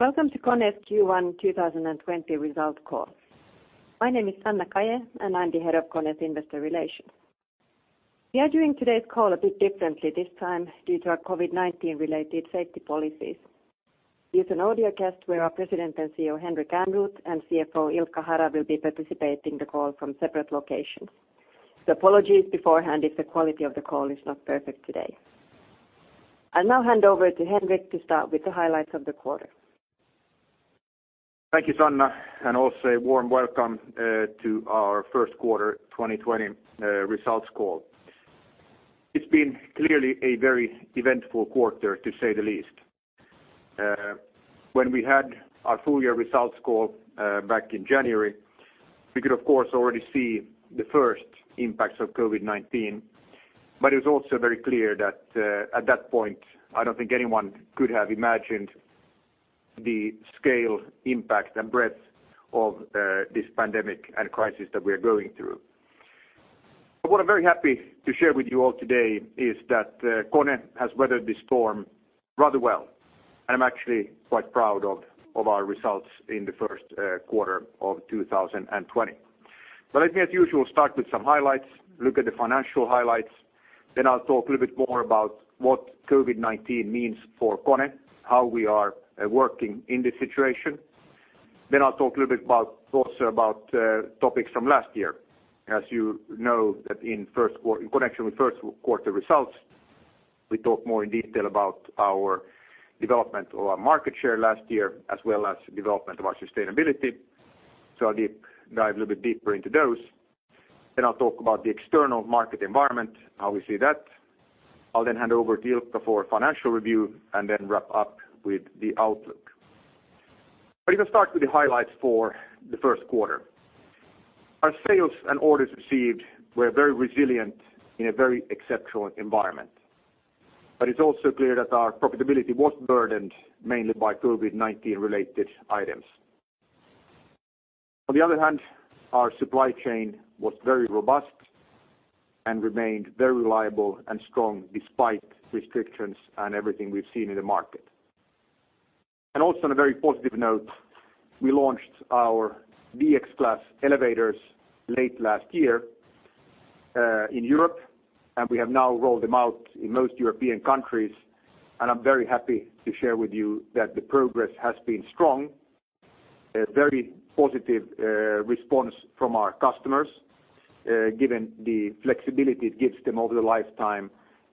Welcome to KONE's Q1 2020 results call. My name is Sanna Kaje and I'm the Head of KONE's Investor Relations. We are doing today's call a bit differently this time due to our COVID-19 related safety policies. It's an audio cast where our President and CEO, Henrik Ehrnrooth, and CFO, Ilkka Hara, will be participating in the call from separate locations. Apologies beforehand if the quality of the call is not perfect today. I'll now hand over to Henrik to start with the highlights of the quarter. Thank you, Sanna. Also a warm welcome to our first quarter 2020 results call. It's been clearly a very eventful quarter to say the least. When we had our full year results call back in January, we could of course, already see the first impacts of COVID-19, but it was also very clear that at that point, I don't think anyone could have imagined the scale, impact, and breadth of this pandemic and crisis that we are going through. What I'm very happy to share with you all today is that KONE has weathered the storm rather well, and I'm actually quite proud of our results in the first quarter of 2020. Let me, as usual, start with some highlights, look at the financial highlights, then I'll talk a little bit more about what COVID-19 means for KONE, how we are working in this situation. I'll talk a little bit also about topics from last year. As you know that in connection with first quarter results, we talk more in detail about our development of our market share last year, as well as development of our sustainability. I'll deep dive a little bit deeper into those. I'll talk about the external market environment, how we see that. I'll hand over to Ilkka for financial review, and then wrap up with the outlook. If I start with the highlights for the first quarter. Our sales and orders received were very resilient in a very exceptional environment. It's also clear that our profitability was burdened mainly by COVID-19 related items. On the other hand, our supply chain was very robust and remained very reliable and strong despite restrictions and everything we've seen in the market. Also on a very positive note, we launched our DX Class elevators late last year in Europe, and we have now rolled them out in most European countries, and I'm very happy to share with you that the progress has been strong. A very positive response from our customers, given the flexibility it gives them over the lifetime,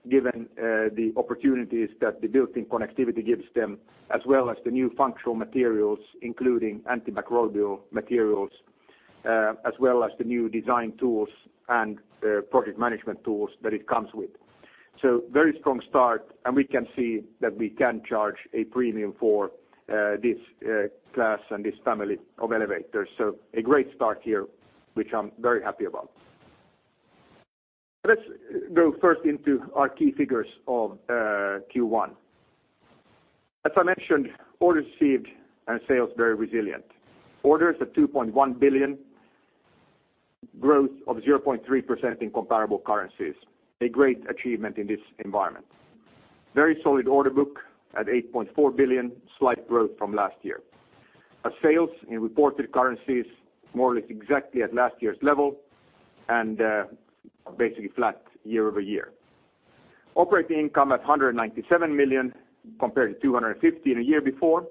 given the opportunities that the built-in connectivity gives them, as well as the new functional materials, including antimicrobial materials, as well as the new design tools and project management tools that it comes with. Very strong start, and we can see that we can charge a premium for this class and this family of elevators. A great start here, which I'm very happy about. Let's go first into our key figures of Q1. As I mentioned, orders received and sales very resilient. Orders at 2.1 billion, growth of 0.3% in comparable currencies, a great achievement in this environment. Very solid order book at 8.4 billion, slight growth from last year. Our sales in reported currencies more or less exactly at last year's level, and basically flat year-over-year. Operating income at 197 million compared to 250 million in a year before,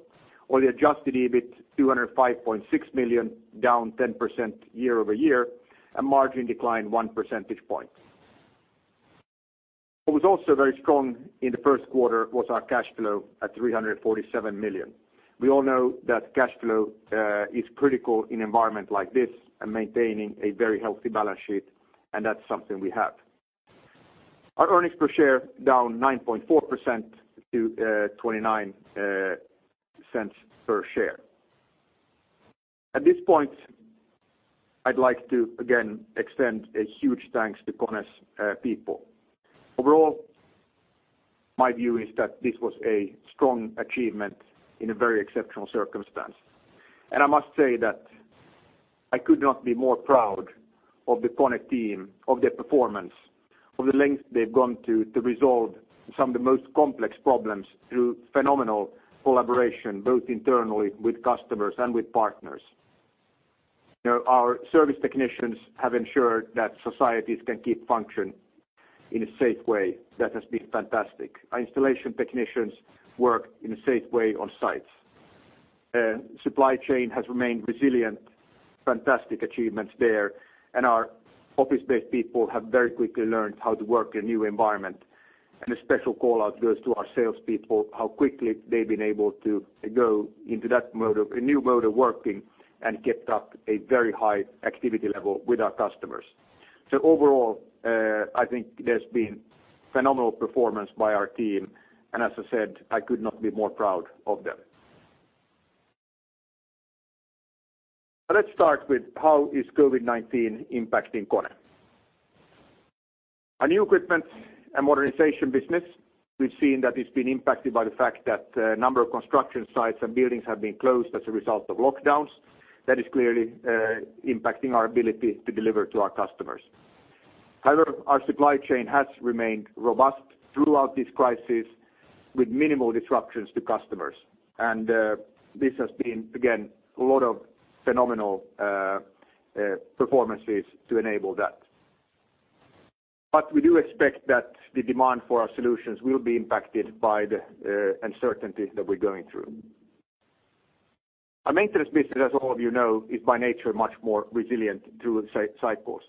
or the adjusted EBIT 205.6 million, down 10% year-over-year, a margin decline one percentage point. What was also very strong in the first quarter was our cash flow at 347 million. We all know that cash flow is critical in an environment like this and maintaining a very healthy balance sheet, and that's something we have. Our earnings per share down 9.4% to 0.29 per share. At this point, I'd like to again extend a huge thanks to KONE's people. Overall, my view is that this was a strong achievement in a very exceptional circumstance. I must say that I could not be more proud of the KONE team, of their performance, of the lengths they've gone to resolve some of the most complex problems through phenomenal collaboration, both internally, with customers and with partners. Our service technicians have ensured that societies can keep function in a safe way. That has been fantastic. Our installation technicians work in a safe way on sites. Supply chain has remained resilient, fantastic achievements there, and our office-based people have very quickly learned how to work in a new environment. A special call-out goes to our sales people, how quickly they've been able to go into that new mode of working and kept up a very high activity level with our customers. Overall, I think there's been phenomenal performance by our team, and as I said, I could not be more proud of them. Let's start with how is COVID-19 impacting KONE. Our new equipment and modernization business. We've seen that it's been impacted by the fact that a number of construction sites and buildings have been closed as a result of lockdowns. That is clearly impacting our ability to deliver to our customers. Our supply chain has remained robust throughout this crisis with minimal disruptions to customers. This has been, again, a lot of phenomenal performances to enable that. We do expect that the demand for our solutions will be impacted by the uncertainty that we're going through. Our maintenance business, as all of you know, is by nature much more resilient through a cycle.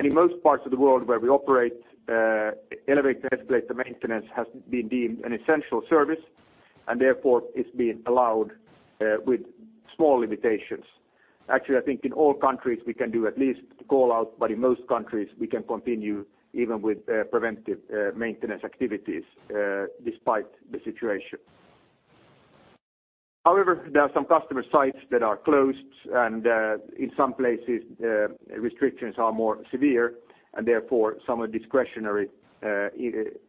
In most parts of the world where we operate, elevator and escalator maintenance has been deemed an essential service and therefore it's been allowed with small limitations. Actually, I think in all countries we can do at least call out, but in most countries we can continue even with preventive maintenance activities despite the situation. However, there are some customer sites that are closed, and in some places, restrictions are more severe and therefore some discretionary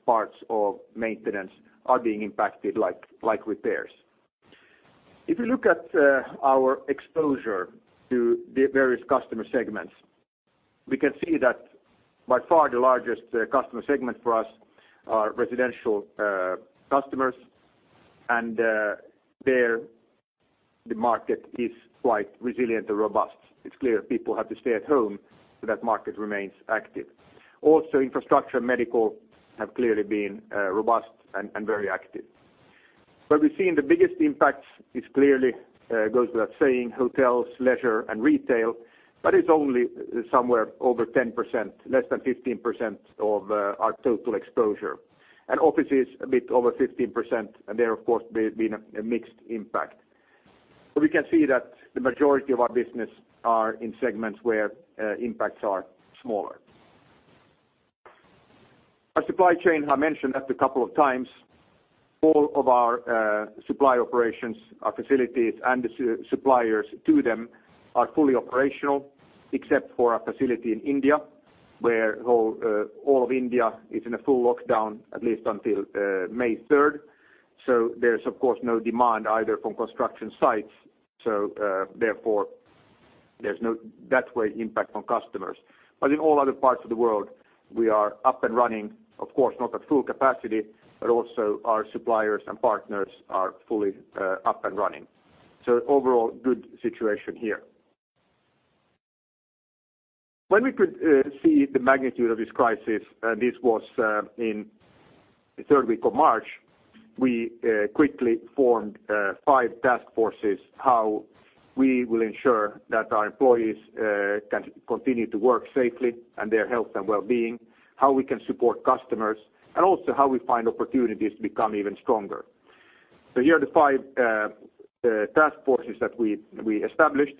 parts of maintenance are being impacted, like repairs. If you look at our exposure to the various customer segments, we can see that by far the largest customer segment for us are residential customers, and there the market is quite resilient and robust. It's clear people have to stay at home, that market remains active. Also, infrastructure and medical have clearly been robust and very active. Where we've seen the biggest impacts, it clearly goes without saying, hotels, leisure, and retail, it's only somewhere over 10%, less than 15% of our total exposure. Office is a bit over 15% and there, of course, there's been a mixed impact. We can see that the majority of our business are in segments where impacts are smaller. Our supply chain, I mentioned that a couple of times, all of our supply operations, our facilities and the suppliers to them are fully operational except for a facility in India, where all of India is in a full lockdown at least until May 3rd. There's of course no demand either from construction sites, therefore there's no that way impact on customers. In all other parts of the world, we are up and running, of course, not at full capacity, but also our suppliers and partners are fully up and running. Overall, good situation here. When we could see the magnitude of this crisis, and this was in the third week of March, we quickly formed five task forces how we will ensure that our employees can continue to work safely and their health and wellbeing, how we can support customers, and also how we find opportunities to become even stronger. Here are the five task forces that we established.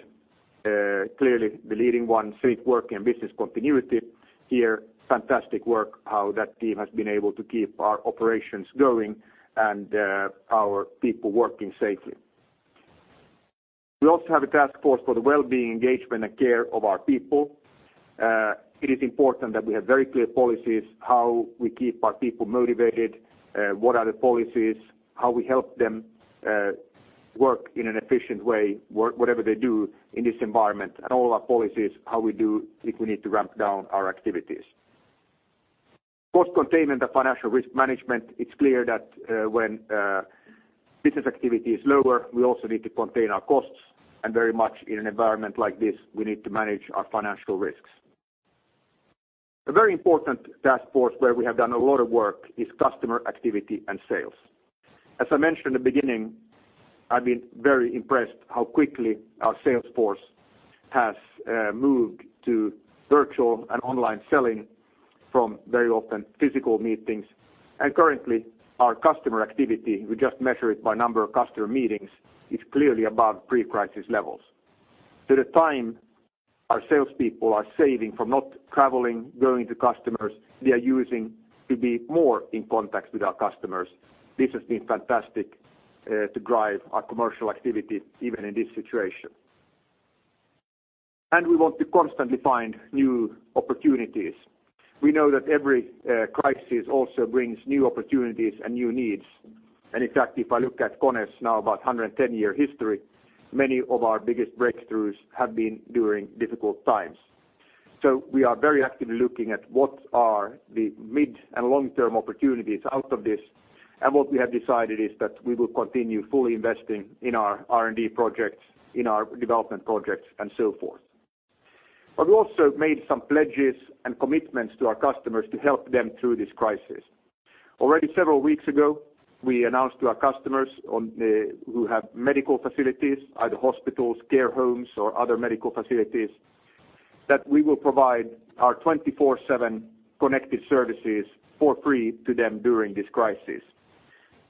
Clearly the leading one, safe work and business continuity. Here, fantastic work how that team has been able to keep our operations going and our people working safely. We also have a task force for the wellbeing, engagement, and care of our people. It is important that we have very clear policies, how we keep our people motivated, what are the policies, how we help them work in an efficient way, whatever they do in this environment, and all our policies, how we do if we need to ramp down our activities. Cost containment and financial risk management. It's clear that when business activity is lower, we also need to contain our costs, and very much in an environment like this, we need to manage our financial risks. A very important task force where we have done a lot of work is customer activity and sales. As I mentioned in the beginning, I've been very impressed how quickly our sales force has moved to virtual and online selling from very often physical meetings. Currently our customer activity, we just measure it by number of customer meetings, is clearly above pre-crisis levels. The time our salespeople are saving from not traveling, going to customers, they are using to be more in contact with our customers. This has been fantastic to drive our commercial activity even in this situation. We want to constantly find new opportunities. We know that every crisis also brings new opportunities and new needs. In fact, if I look at KONE's now about 110-year history, many of our biggest breakthroughs have been during difficult times. We are very actively looking at what are the mid and long-term opportunities out of this. What we have decided is that we will continue fully investing in our R&D projects, in our development projects, and so forth. We also made some pledges and commitments to our customers to help them through this crisis. Already several weeks ago, we announced to our customers who have medical facilities, either hospitals, care homes, or other medical facilities, that we will provide our 24/7 connected services for free to them during this crisis.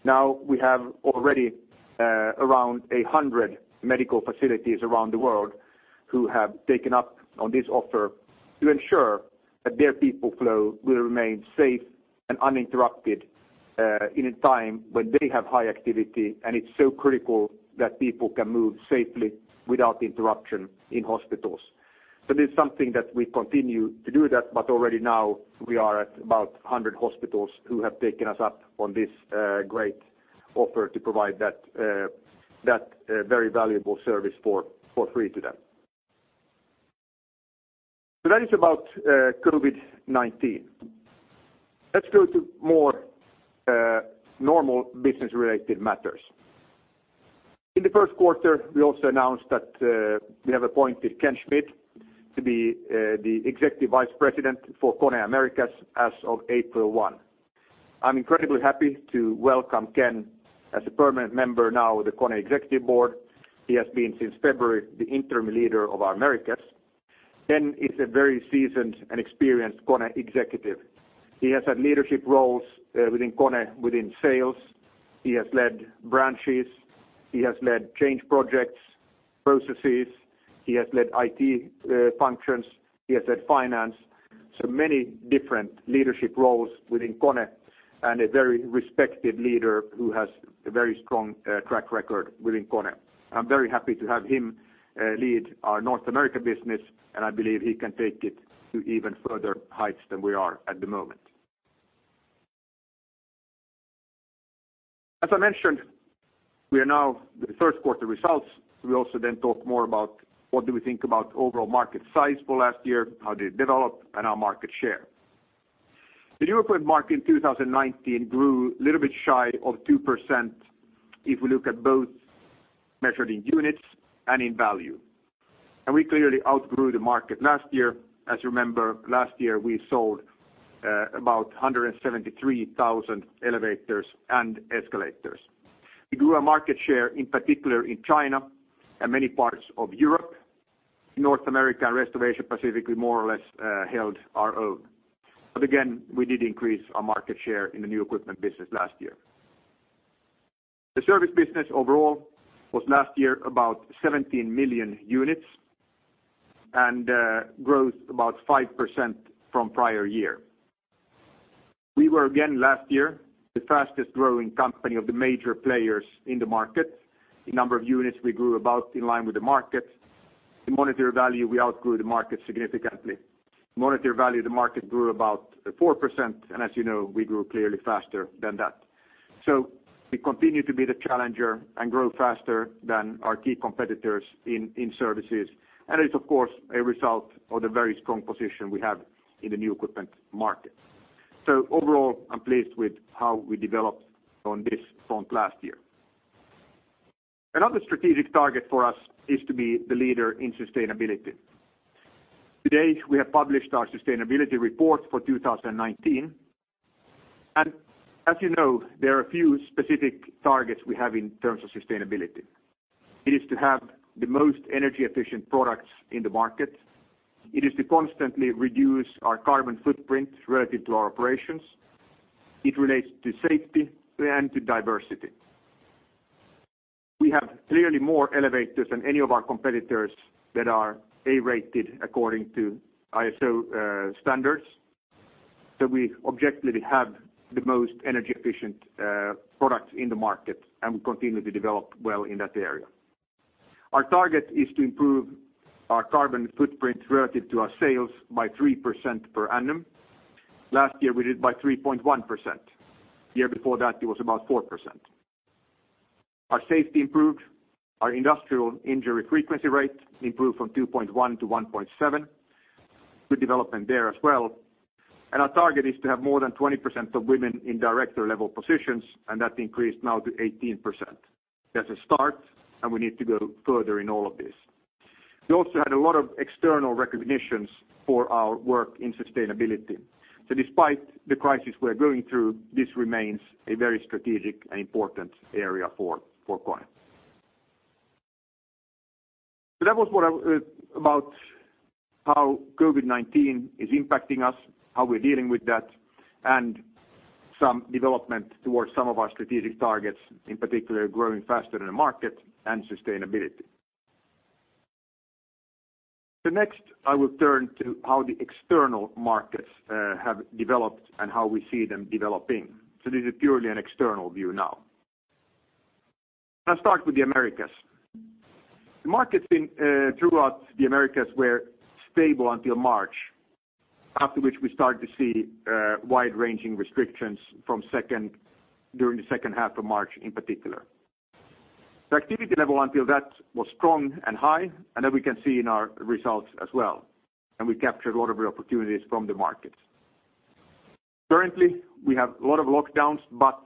Now we have already around 100 medical facilities around the world who have taken up on this offer to ensure that their people flow will remain safe and uninterrupted in a time when they have high activity and it's so critical that people can move safely without interruption in hospitals. This is something that we continue to do, but already now we are at about 100 hospitals who have taken us up on this great offer to provide that very valuable service for free to them. That is about COVID-19. Let's go to more normal business-related matters. In the first quarter, we also announced that we have appointed Ken Schmid to be the Executive Vice President for KONE Americas as of April 1. I'm incredibly happy to welcome Ken as a permanent member now of the KONE Executive Board. He has been, since February, the interim leader of our Americas. Ken is a very seasoned and experienced KONE executive. He has had leadership roles within KONE within sales. He has led branches. He has led change projects, processes. He has led IT functions. He has led finance. So many different leadership roles within KONE, and a very respected leader who has a very strong track record within KONE. I'm very happy to have him lead our North America business, and I believe he can take it to even further heights than we are at the moment. As I mentioned, we are now the first quarter results. We also talk more about what do we think about overall market size for last year, how they developed, and our market share. The new equipment market in 2019 grew a little bit shy of 2% if we look at both measured in units and in value. We clearly outgrew the market last year. As you remember, last year, we sold about 173,000 elevators and escalators. We grew our market share in particular in China and many parts of Europe. North America and rest of Asia Pacific more or less held our own. Again, we did increase our market share in the new equipment business last year. The service business overall was last year about 17 million units, and growth about 5% from prior year. We were again last year the fastest-growing company of the major players in the market. In number of units, we grew about in line with the market. In monetary value, we outgrew the market significantly. Monetary value of the market grew about 4%, and as you know, we grew clearly faster than that. We continue to be the challenger and grow faster than our key competitors in services, and it's of course, a result of the very strong position we have in the new equipment market. Overall, I'm pleased with how we developed on this front last year. Another strategic target for us is to be the leader in sustainability. Today, we have published our sustainability report for 2019. As you know, there are a few specific targets we have in terms of sustainability. It is to have the most energy-efficient products in the market. It is to constantly reduce our carbon footprint relative to our operations. It relates to safety and to diversity. We have clearly more elevators than any of our competitors that are A-rated according to ISO standards. We objectively have the most energy-efficient products in the market, and we continue to develop well in that area. Our target is to improve our carbon footprint relative to our sales by 3% per annum. Last year, we did by 3.1%. The year before that, it was about 4%. Our safety improved. Our industrial injury frequency rate improved from 2.1 to 1.7. Good development there as well. Our target is to have more than 20% of women in director-level positions, and that increased now to 18%. That's a start, and we need to go further in all of this. We also had a lot of external recognitions for our work in sustainability. Despite the crisis we're going through, this remains a very strategic and important area for KONE. That was about how COVID-19 is impacting us, how we're dealing with that, and some development towards some of our strategic targets, in particular, growing faster than the market and sustainability. Next, I will turn to how the external markets have developed and how we see them developing. This is purely an external view now. I'll start with the Americas. The markets throughout the Americas were stable until March, after which we started to see wide-ranging restrictions during the second half of March in particular. The activity level until that was strong and high, and that we can see in our results as well, and we captured a lot of the opportunities from the market. Currently, we have a lot of lockdowns, but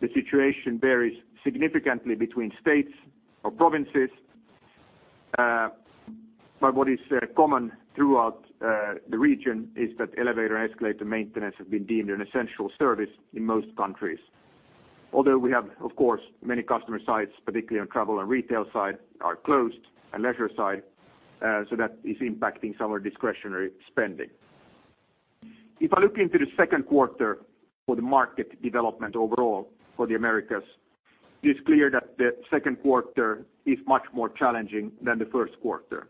the situation varies significantly between states or provinces. What is common throughout the region is that elevator and escalator maintenance have been deemed an essential service in most countries. Although we have, of course, many customer sites, particularly on travel and retail side, are closed, and leisure side, so that is impacting some of our discretionary spending. If I look into the second quarter for the market development overall for the Americas, it is clear that the second quarter is much more challenging than the first quarter,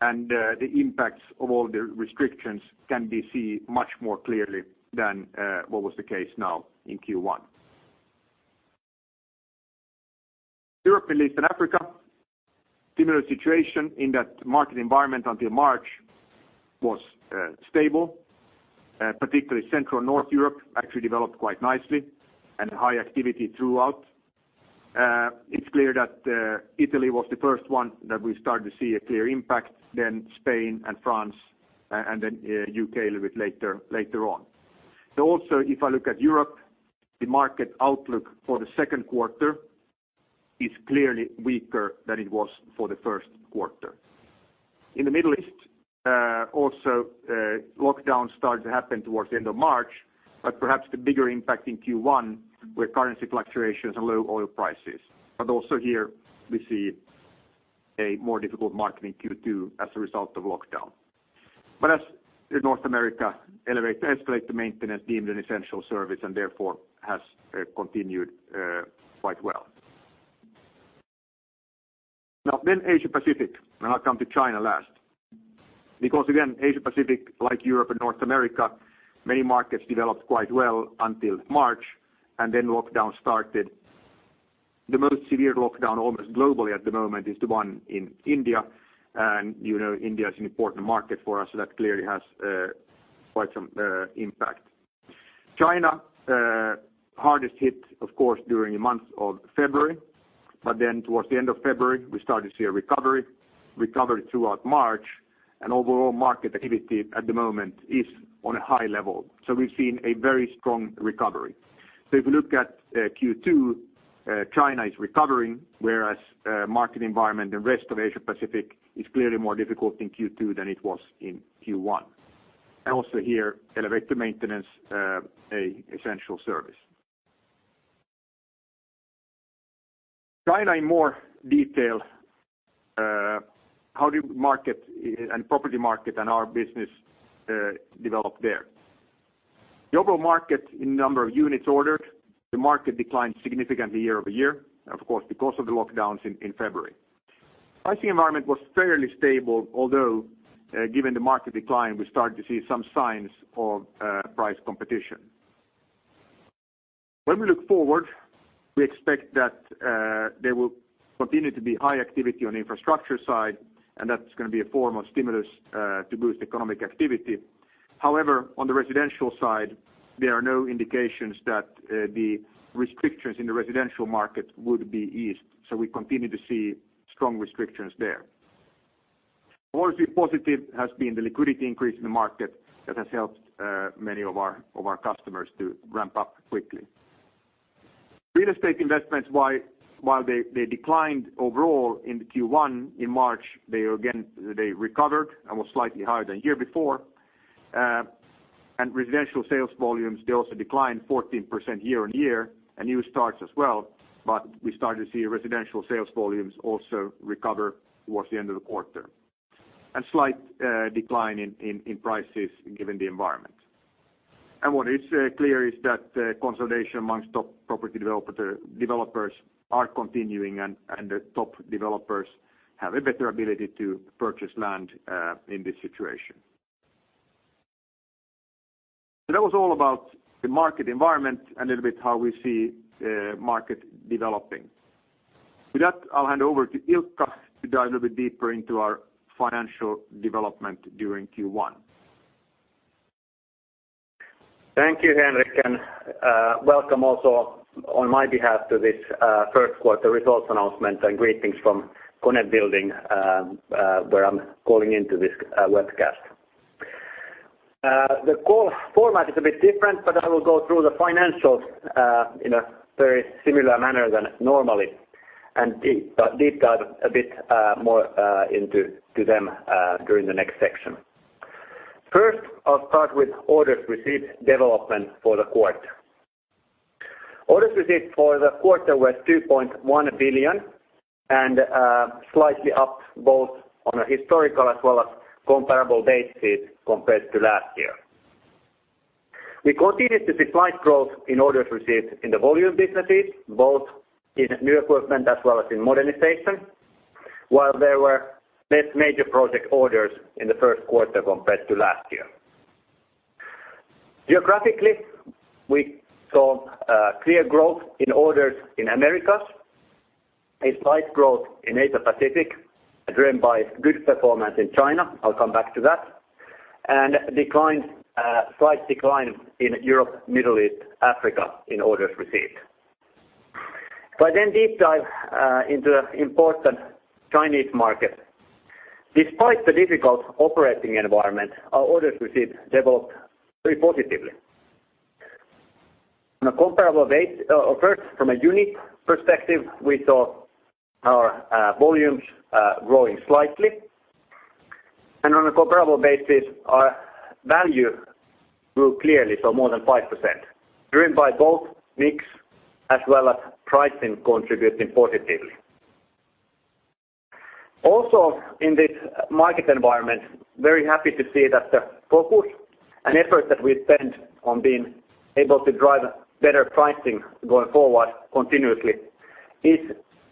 and the impacts of all the restrictions can be seen much more clearly than what was the case now in Q1. Europe, Middle East, and Africa, similar situation in that market environment until March was stable. Particularly, Central North Europe actually developed quite nicely and high activity throughout. It's clear that Italy was the first one that we started to see a clear impact, then Spain and France, and then U.K. a little bit later on. Also, if I look at Europe, the market outlook for the second quarter is clearly weaker than it was for the first quarter. In the Middle East, also, lockdown started to happen towards the end of March, perhaps the bigger impact in Q1 were currency fluctuations and low oil prices. Also here we see a more difficult market in Q2 as a result of lockdown. As North America elevator/escalator maintenance deemed an essential service, and therefore has continued quite well. Asia Pacific, and I'll come to China last. Again, Asia Pacific, like Europe and North America, many markets developed quite well until March, and then lockdown started. The most severe lockdown almost globally at the moment is the one in India. You know India is an important market for us, so that clearly has quite some impact. China, hardest hit, of course, during the month of February, but then towards the end of February, we started to see a recovery. Recovery throughout March and overall market activity at the moment is on a high level. We've seen a very strong recovery. If you look at Q2, China is recovering, whereas, market environment in rest of Asia Pacific is clearly more difficult in Q2 than it was in Q1. Also here, elevator maintenance, a essential service. China in more detail. How did market and property market and our business develop there? The overall market in number of units ordered, the market declined significantly year-over-year. Of course, because of the lockdowns in February. Pricing environment was fairly stable, although, given the market decline, we started to see some signs of price competition. When we look forward, we expect that there will continue to be high activity on the infrastructure side, and that's going to be a form of stimulus to boost economic activity. However, on the residential side, there are no indications that the restrictions in the residential market would be eased. We continue to see strong restrictions there. Policy positive has been the liquidity increase in the market that has helped many of our customers to ramp up quickly. Real estate investments while they declined overall in the Q1, in March, they recovered and was slightly higher than a year before. Residential sales volumes, they also declined 14% year-on-year and new starts as well. We started to see residential sales volumes also recover towards the end of the quarter. A slight decline in prices given the environment. What is clear is that consolidation amongst top property developers are continuing, and the top developers have a better ability to purchase land in this situation. That was all about the market environment and little bit how we see market developing. With that, I'll hand over to Ilkka to dive a little bit deeper into our financial development during Q1. Thank you, Henrik, and welcome also on my behalf to this first quarter results announcement and greetings from KONE building, where I'm calling into this webcast. The call format is a bit different, but I will go through the financials in a very similar manner than normally and deep dive a bit more into them during the next section. First, I'll start with orders received development for the quarter. Orders received for the quarter were 2.1 billion and slightly up both on a historical as well as comparable basis compared to last year. We continued to see slight growth in orders received in the volume businesses, both in new equipment as well as in modernization. While there were less major project orders in the first quarter compared to last year. Geographically, we saw clear growth in orders in Americas, a slight growth in Asia-Pacific, driven by good performance in China. I'll come back to that. Slight decline in Europe, Middle East, Africa in orders received. Deep dive into important Chinese market. Despite the difficult operating environment, our orders received developed very positively. First, from a unit perspective, we saw our volumes growing slightly. On a comparable basis, our value grew clearly, so more than 5%, driven by both mix as well as pricing contributing positively. Also, in this market environment, very happy to see that the focus and effort that we spent on being able to drive better pricing going forward continuously is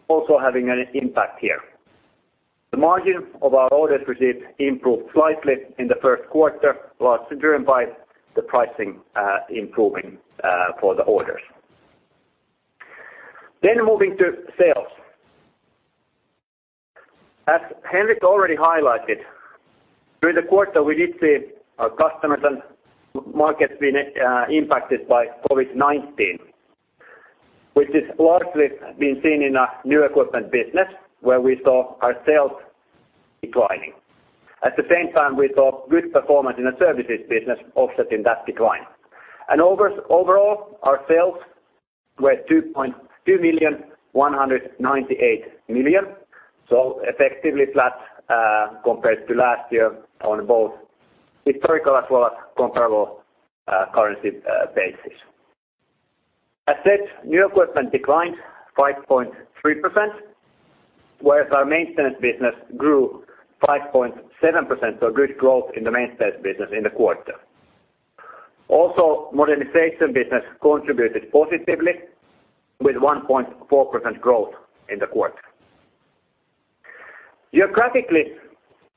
also having an impact here. The margin of our orders received improved slightly in the first quarter, largely driven by the pricing improving for the orders. Moving to sales. As Henrik already highlighted, through the quarter, we did see our customers and markets being impacted by COVID-19, which is largely being seen in our new equipment business, where we saw our sales declining. At the same time, we saw good performance in the services business offsetting that decline. Overall, our sales were 2.198 billion. Effectively flat compared to last year on both historical as well as comparable currency basis. As said, new equipment declined 5.3%, whereas our maintenance business grew 5.7%, so good growth in the maintenance business in the quarter. Also, modernization business contributed positively with 1.4% growth in the quarter. Geographically,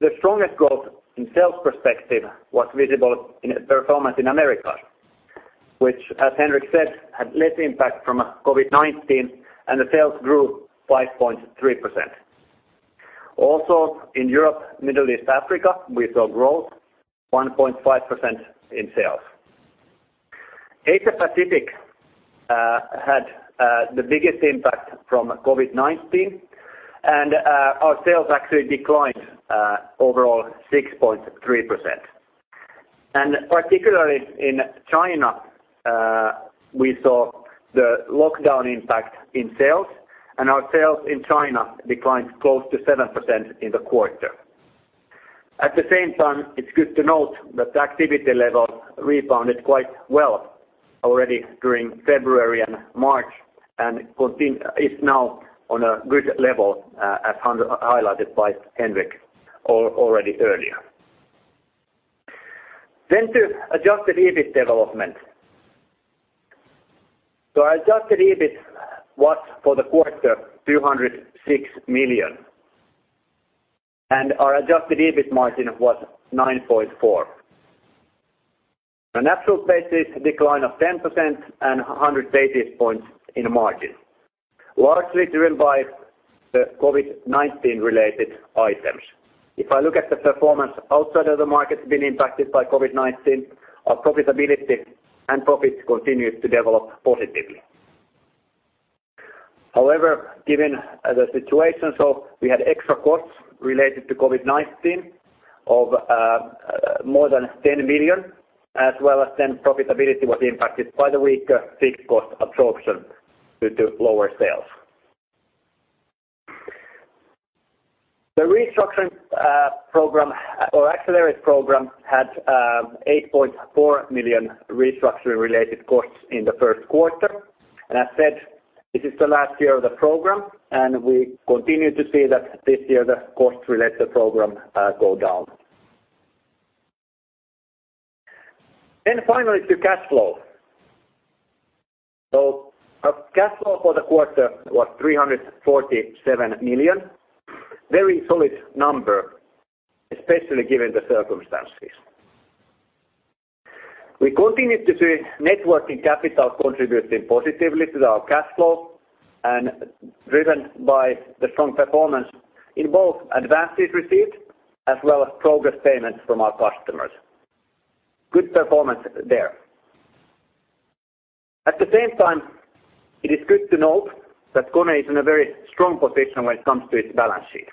the strongest growth in sales perspective was visible in performance in Americas, which, as Henrik said, had less impact from COVID-19, and the sales grew 5.3%. Also, in Europe, Middle East, Africa, we saw growth 1.5% in sales. Asia Pacific had the biggest impact from COVID-19, and our sales actually declined overall 6.3%. Particularly in China, we saw the lockdown impact in sales, and our sales in China declined close to 7% in the quarter. At the same time, it's good to note that the activity level rebounded quite well already during February and March, and is now on a good level, as highlighted by Henrik already earlier. To adjusted EBIT development. Our adjusted EBIT was, for the quarter, 206 million, and our adjusted EBIT margin was 9.4%. On an absolute basis, a decline of 10% and 180 points in margin, largely driven by the COVID-19 related items. If I look at the performance outside of the markets being impacted by COVID-19, our profitability and profits continued to develop positively. However, given the situation, we had extra costs related to COVID-19 of more than 10 million, as well as profitability was impacted by the weaker fixed cost absorption due to lower sales. The restructuring program or Accelerate program had 8.4 million restructuring related costs in the first quarter. As said, this is the last year of the program, and we continue to see that this year the costs related to the program go down. Finally to cash flow. Our cash flow for the quarter was 347 million. Very solid number, especially given the circumstances. We continued to see net working capital contributing positively to our cash flow and driven by the strong performance in both advances received as well as progress payments from our customers. Good performance there. At the same time, it is good to note that KONE is in a very strong position when it comes to its balance sheet.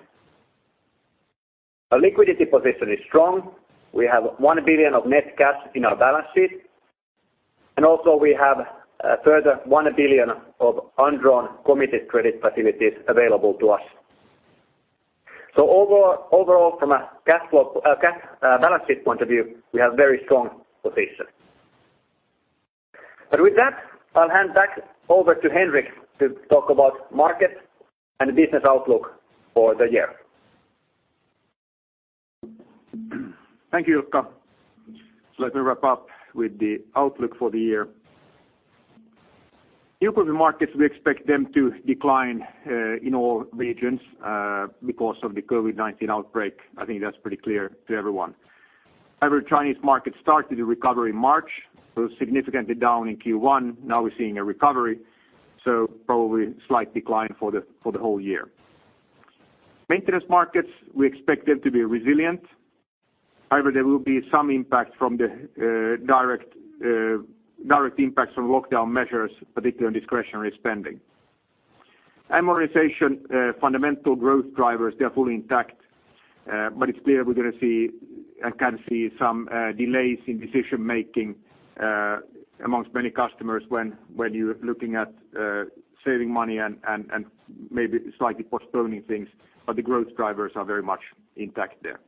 Our liquidity position is strong. We have 1 billion of net cash in our balance sheet. Also, we have a further 1 billion of undrawn committed credit facilities available to us. Overall, from a balance sheet point of view, we have very strong position. With that, I'll hand back over to Henrik to talk about market and the business outlook for the year. Thank you, Ilkka. Let me wrap up with the outlook for the year. New building markets, we expect them to decline in all regions because of the COVID-19 outbreak. I think that's pretty clear to everyone. Chinese markets started to recover in March. It was significantly down in Q1. We're seeing a recovery, probably slight decline for the whole year. Maintenance markets, we expect them to be resilient. There will be some impact from the direct impacts from lockdown measures, particularly on discretionary spending. Modernization, fundamental growth drivers, they are fully intact. It's clear we're going to see and can see some delays in decision-making amongst many customers when you're looking at saving money and maybe slightly postponing things. The growth drivers are very much intact there.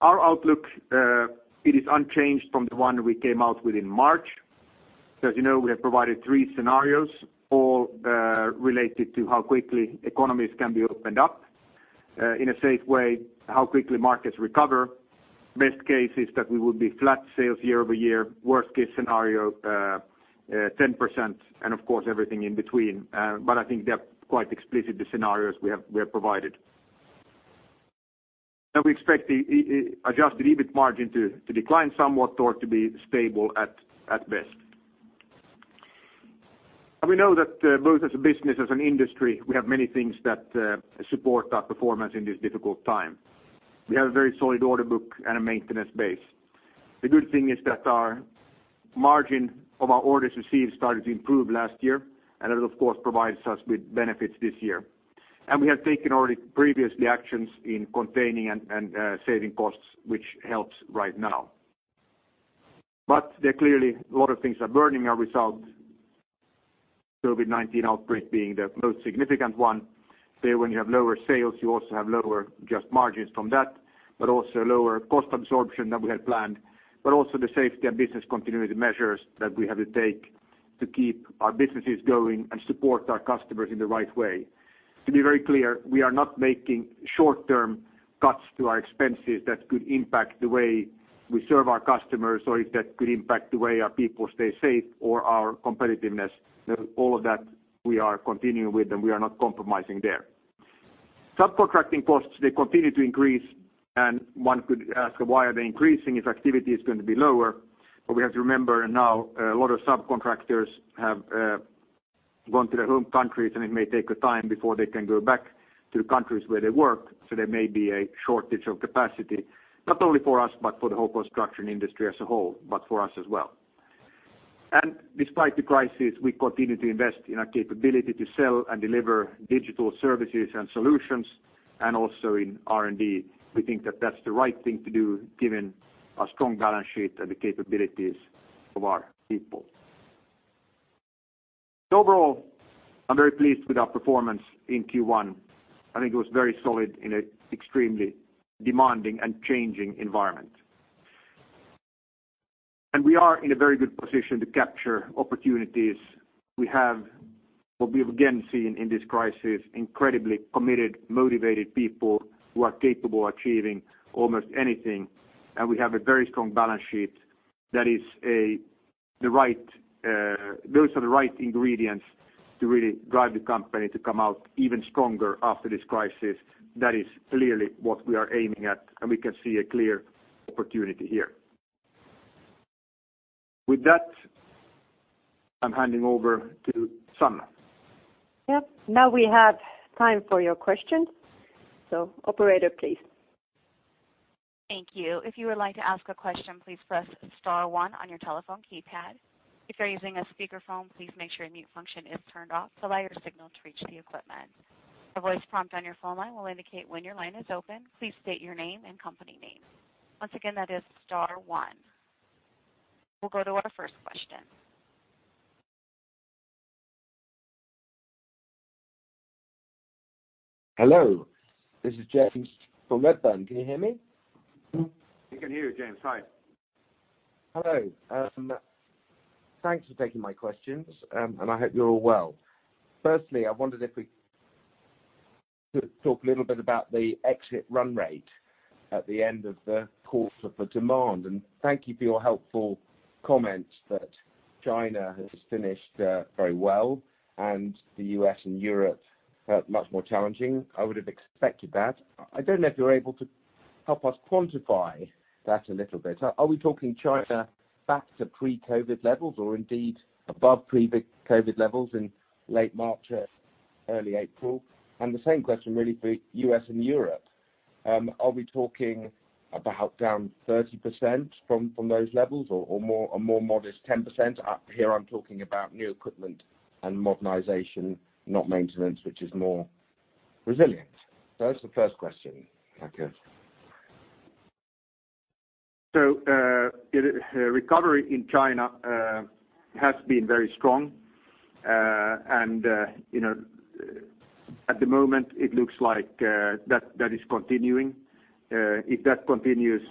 Our outlook, it is unchanged from the one we came out with in March. As you know, we have provided three scenarios all related to how quickly economies can be opened up in a safe way, how quickly markets recover. Best case is that we will be flat sales year-over-year. Worst case scenario, 10%, and of course, everything in between. I think they're quite explicit, the scenarios we have provided. We expect the adjusted EBIT margin to decline somewhat or to be stable at best. We know that both as a business, as an industry, we have many things that support our performance in this difficult time. We have a very solid order book and a maintenance base. The good thing is that our margin of our orders received started to improve last year, and that, of course, provides us with benefits this year. We have taken already previously actions in containing and saving costs, which helps right now. There clearly, a lot of things are burdening our result. COVID-19 outbreak being the most significant one. There when you have lower sales, you also have lower just margins from that, but also lower cost absorption than we had planned, but also the safety and business continuity measures that we had to take to keep our businesses going and support our customers in the right way. To be very clear, we are not making short-term cuts to our expenses that could impact the way we serve our customers, or if that could impact the way our people stay safe or our competitiveness. All of that we are continuing with, and we are not compromising there. Subcontracting costs, they continue to increase, and one could ask why are they increasing if activity is going to be lower. We have to remember now, a lot of subcontractors have gone to their home countries, and it may take a time before they can go back to countries where they work. There may be a shortage of capacity, not only for us, but for the whole construction industry as a whole, but for us as well. Despite the crisis, we continue to invest in our capability to sell and deliver digital services and solutions, and also in R&D. We think that that's the right thing to do given our strong balance sheet and the capabilities of our people. Overall, I'm very pleased with our performance in Q1. I think it was very solid in an extremely demanding and changing environment. We are in a very good position to capture opportunities. We have what we've again seen in this crisis, incredibly committed, motivated people who are capable of achieving almost anything. We have a very strong balance sheet. Those are the right ingredients to really drive the company to come out even stronger after this crisis. That is clearly what we are aiming at, and we can see a clear opportunity here. With that, I'm handing over to Sanna. Yep. Now we have time for your questions. Operator, please. Thank you. If you would like to ask a question, please press star one on your telephone keypad. If you're using a speakerphone, please make sure your mute function is turned off to allow your signal to reach the equipment. A voice prompt on your phone line will indicate when your line is open. Please state your name and company name. Once again, that is star one. We'll go to our first question. Hello. This is James from Redburn. Can you hear me? We can hear you, James. Hi. Hello. Thanks for taking my questions. I hope you're all well. Firstly, I wondered if we could talk a little bit about the exit run-rate at the end of the quarter for demand, and thank you for your helpful comments that China has finished very well and the U.S. and Europe, much more challenging. I would have expected that. I don't know if you're able to help us quantify that a little bit. Are we talking China back to pre-COVID levels or indeed above pre-COVID levels in late March, early April? The same question really for U.S. and Europe. Are we talking about down 30% from those levels or a more modest 10%? Here I'm talking about new equipment and modernization, not maintenance, which is more resilient. That's the first question. Thank you. The recovery in China has been very strong. At the moment it looks like that is continuing. If that continues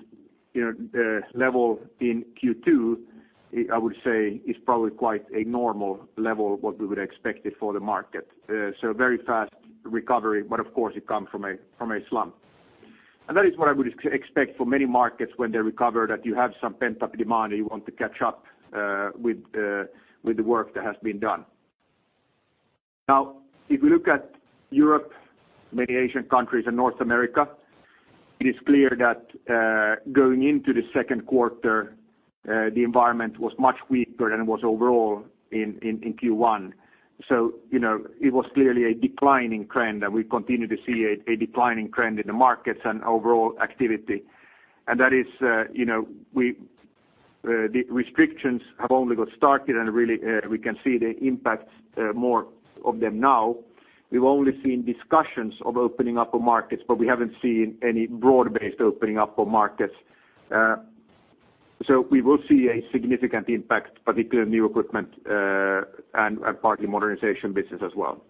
the level in Q2, I would say is probably quite a normal level of what we would expected for the market. Very fast recovery, but of course, it comes from a slump. That is what I would expect for many markets when they recover, that you have some pent-up demand and you want to catch up with the work that has been done. Now, if you look at Europe, many Asian countries, and North America, it is clear that going into the second quarter, the environment was much weaker than it was overall in Q1. It was clearly a declining trend, and we continue to see a declining trend in the markets and overall activity. The restrictions have only got started and really we can see the impact more of them now. We've only seen discussions of opening up of markets, but we haven't seen any broad-based opening up of markets. We will see a significant impact, particularly on new equipment, and partly modernization business as well.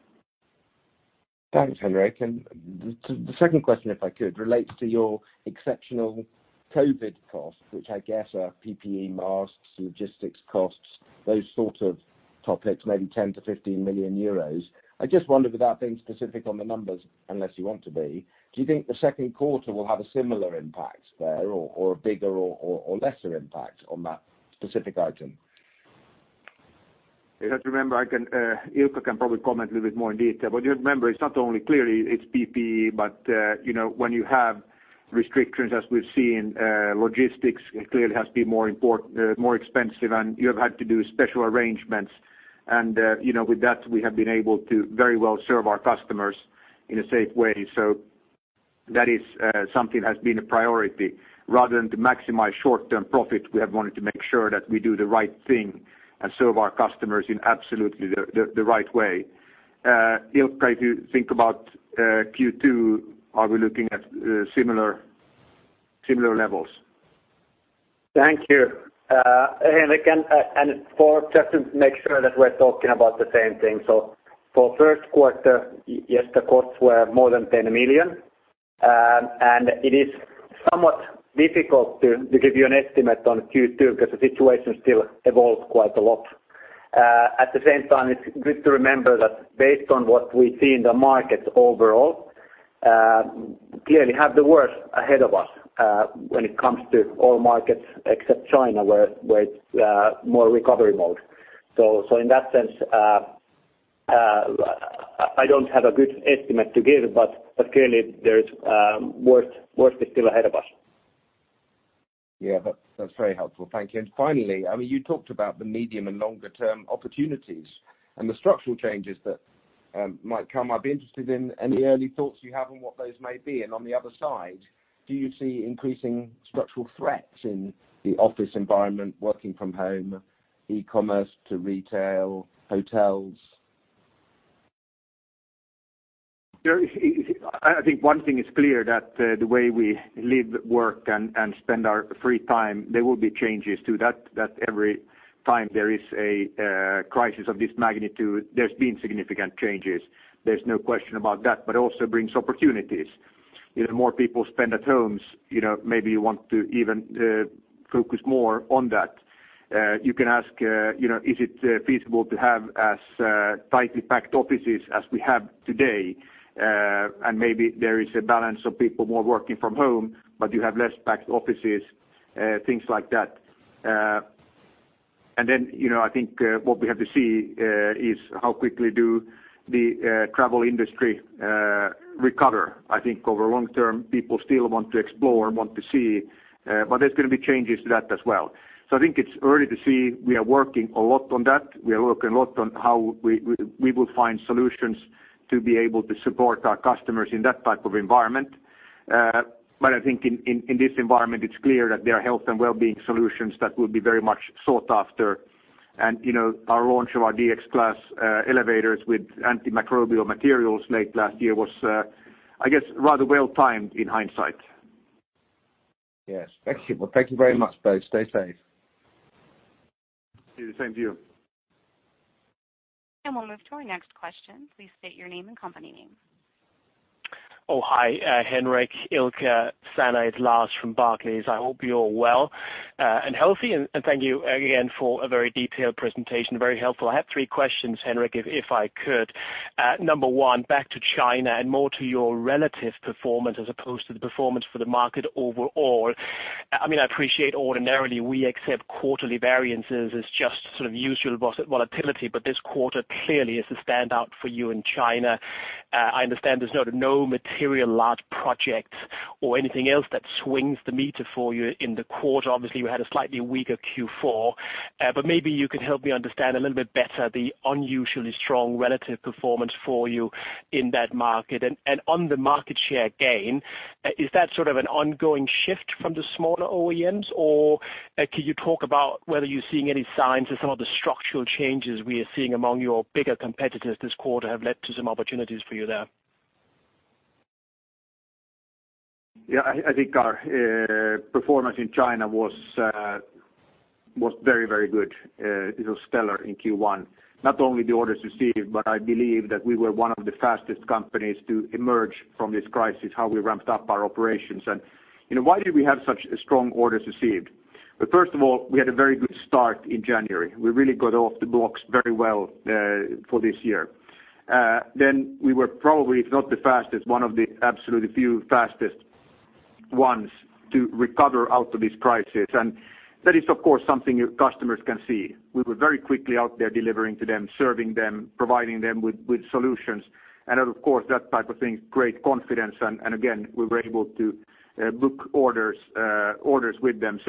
Thanks, Henrik. The second question, if I could, relates to your exceptional COVID costs, which I guess are PPE masks, logistics costs. Those sorts of topics, maybe 10 million-15 million euros. I just wondered, without being specific on the numbers, unless you want to be, do you think the second quarter will have a similar impact there or a bigger or lesser impact on that specific item? You have to remember, Ilkka can probably comment a little bit more in detail, but you have to remember, it's not only clearly it's PPE, but when you have restrictions as we've seen, logistics clearly has been more expensive, and you have had to do special arrangements. With that, we have been able to very well serve our customers in a safe way. That is something has been a priority. Rather than to maximize short-term profit, we have wanted to make sure that we do the right thing and serve our customers in absolutely the right way. Ilkka, if you think about Q2, are we looking at similar levels? Thank you. Henrik. Just to make sure that we're talking about the same thing. For first quarter, yes, the costs were more than 10 million. It is somewhat difficult to give you an estimate on Q2 because the situation still evolves quite a lot. At the same time, it's good to remember that based on what we see in the markets overall, clearly have the worst ahead of us, when it comes to all markets except China, where it's more recovery mode. In that sense, I don't have a good estimate to give, but clearly the worst is still ahead of us. Yeah. That's very helpful. Thank you. Finally, you talked about the medium and longer term opportunities and the structural changes that might come. I'd be interested in any early thoughts you have on what those may be. On the other side, do you see increasing structural threats in the office environment, working from home, e-commerce to retail, hotels? I think one thing is clear that the way we live, work, and spend our free time, there will be changes to that every time there is a crisis of this magnitude. There's been significant changes. There's no question about that, but also brings opportunities. More people spend at homes, maybe you want to even focus more on that. You can ask is it feasible to have as tightly packed offices as we have today? Maybe there is a balance of people more working from home, but you have less packed offices, things like that. I think what we have to see is how quickly do the travel industry recover. I think over long term, people still want to explore and want to see, but there's going to be changes to that as well. I think it's early to see. We are working a lot on that. We are working a lot on how we will find solutions to be able to support our customers in that type of environment. I think in this environment, it's clear that there are health and wellbeing solutions that will be very much sought after. Our launch of our DX Class elevators with antimicrobial materials late last year was, I guess, rather well timed in hindsight. Yes. Thank you. Well, thank you very much both. Stay safe. You the same to you. We'll move to our next question. Please state your name and company name. Oh, hi Henrik, Ilkka, Sanna. It's Lars from Barclays. I hope you're well and healthy, and thank you again for a very detailed presentation. Very helpful. I have three questions, Henrik, if I could. Number one, back to China and more to your relative performance as opposed to the performance for the market overall. I appreciate ordinarily we accept quarterly variances as just sort of usual volatility, but this quarter clearly is a standout for you in China. I understand there's no material large projects or anything else that swings the meter for you in the quarter. Obviously, we had a slightly weaker Q4. Maybe you can help me understand a little bit better the unusually strong relative performance for you in that market. On the market share gain, is that sort of an ongoing shift from the smaller OEMs, or can you talk about whether you're seeing any signs of some of the structural changes we are seeing among your bigger competitors this quarter have led to some opportunities for you there? Yeah, I think our performance in China was very good. It was stellar in Q1. Not only the orders received, but I believe that we were one of the fastest companies to emerge from this crisis, how we ramped up our operations. Why did we have such strong orders received? Well, first of all, we had a very good start in January. We really got off the blocks very well for this year. We were probably, if not the fastest, one of the absolute few fastest ones to recover out of this crisis. That is, of course, something customers can see. We were very quickly out there delivering to them, serving them, providing them with solutions. Of course, that type of thing, great confidence. Again, we were able to book orders with them.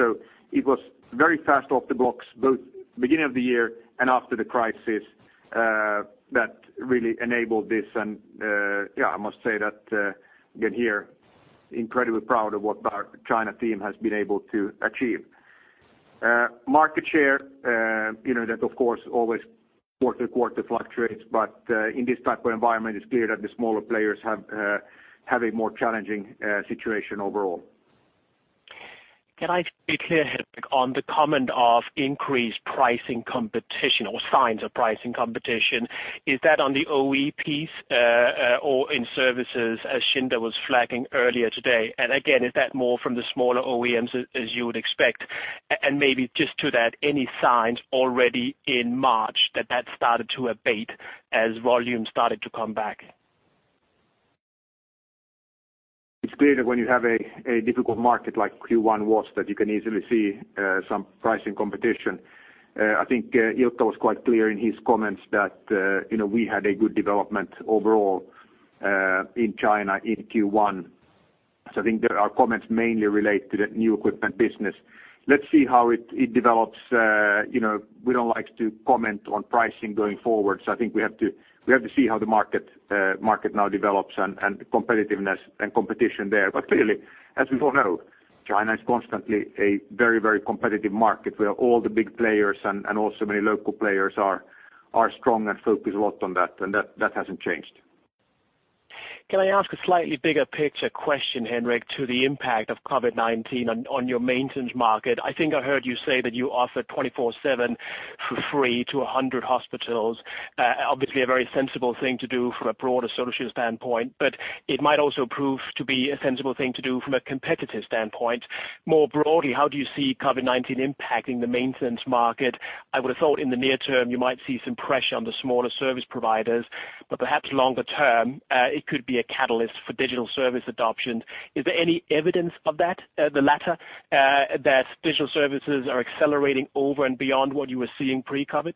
It was very fast off the blocks, both beginning of the year and after the crisis, that really enabled this. I must say that again here, incredibly proud of what our China team has been able to achieve. Market share, that of course always quarter-to-quarter fluctuates. In this type of environment, it's clear that the smaller players have a more challenging situation overall. Can I be clear, Henrik, on the comment of increased pricing competition or signs of pricing competition? Is that on the OE piece or in services as Schindler was flagging earlier today? Again, is that more from the smaller OEMs as you would expect? Maybe just to that, any signs already in March that that started to abate as volume started to come back? It's clear that when you have a difficult market like Q1 was that you can easily see some pricing competition. I think Ilkka was quite clear in his comments that we had a good development overall in China in Q1. I think our comments mainly relate to that new equipment business. Let's see how it develops. We don't like to comment on pricing going forward, so I think we have to see how the market now develops and the competitiveness and competition there. Clearly, as we all know, China is constantly a very competitive market where all the big players and also many local players are strong and focus a lot on that, and that hasn't changed. Can I ask a slightly bigger picture question, Henrik, to the impact of COVID-19 on your maintenance market? I think I heard you say that you offer 24/7 for free to 100 hospitals. Obviously, a very sensible thing to do from a broader social standpoint, but it might also prove to be a sensible thing to do from a competitive standpoint. More broadly, how do you see COVID-19 impacting the maintenance market? I would have thought in the near term, you might see some pressure on the smaller service providers, but perhaps longer term, it could be a catalyst for digital service adoption. Is there any evidence of that, the latter, that digital services are accelerating over and beyond what you were seeing pre-COVID?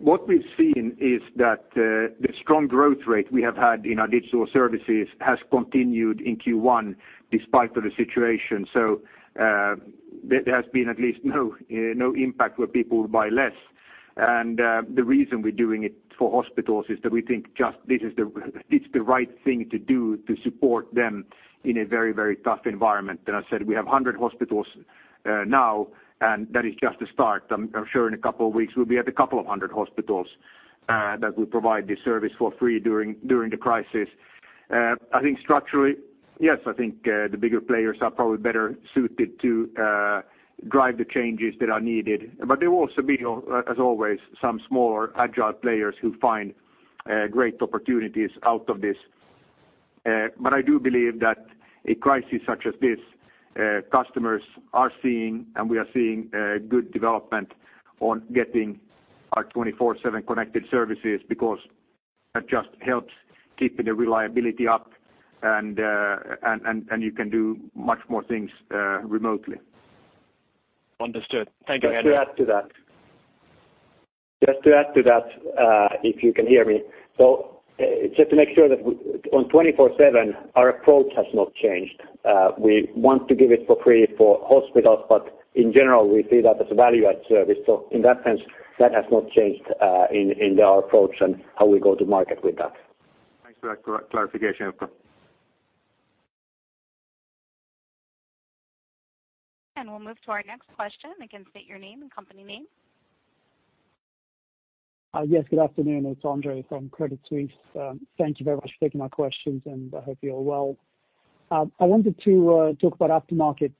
What we've seen is that the strong growth rate we have had in our digital services has continued in Q1 despite the situation. There has been at least no impact where people buy less, and the reason we're doing it for hospitals is that we think just this is the right thing to do to support them in a very tough environment. I said we have 100 hospitals now, and that is just a start. I'm sure in a couple of weeks, we'll be at a couple of hundred hospitals that we provide this service for free during the crisis. I think structurally, yes, I think the bigger players are probably better suited to drive the changes that are needed. There will also be, as always, some smaller agile players who find great opportunities out of this. I do believe that a crisis such as this, customers are seeing, and we are seeing good development on getting our 24/7 Connected Services because that just helps keeping the reliability up and you can do much more things remotely. Understood. Thank you, Henrik. Just to add to that, if you can hear me. Just to make sure that on KONE 24/7, our approach has not changed. We want to give it for free for hospitals, but in general, we see that as a value-add service. In that sense, that has not changed in our approach and how we go to market with that. Thanks for that clarification, Ilkka. We'll move to our next question. Again, state your name and company name. Yes, good afternoon. It's Andre from Credit Suisse. Thank you very much for taking my questions, and I hope you're well. I wanted to talk about aftermarket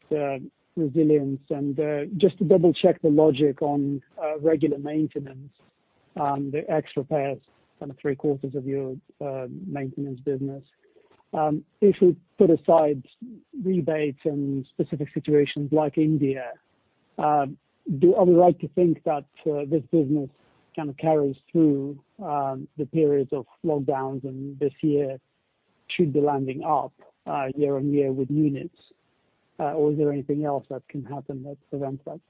resilience and just to double-check the logic on regular maintenance, the extra repairs, 3/4of your maintenance business. If we put aside rebates and specific situations like India, are we right to think that this business kind of carries through the periods of lockdowns and this year should be landing up year-on-year with units or is there anything else that can happen that prevents that?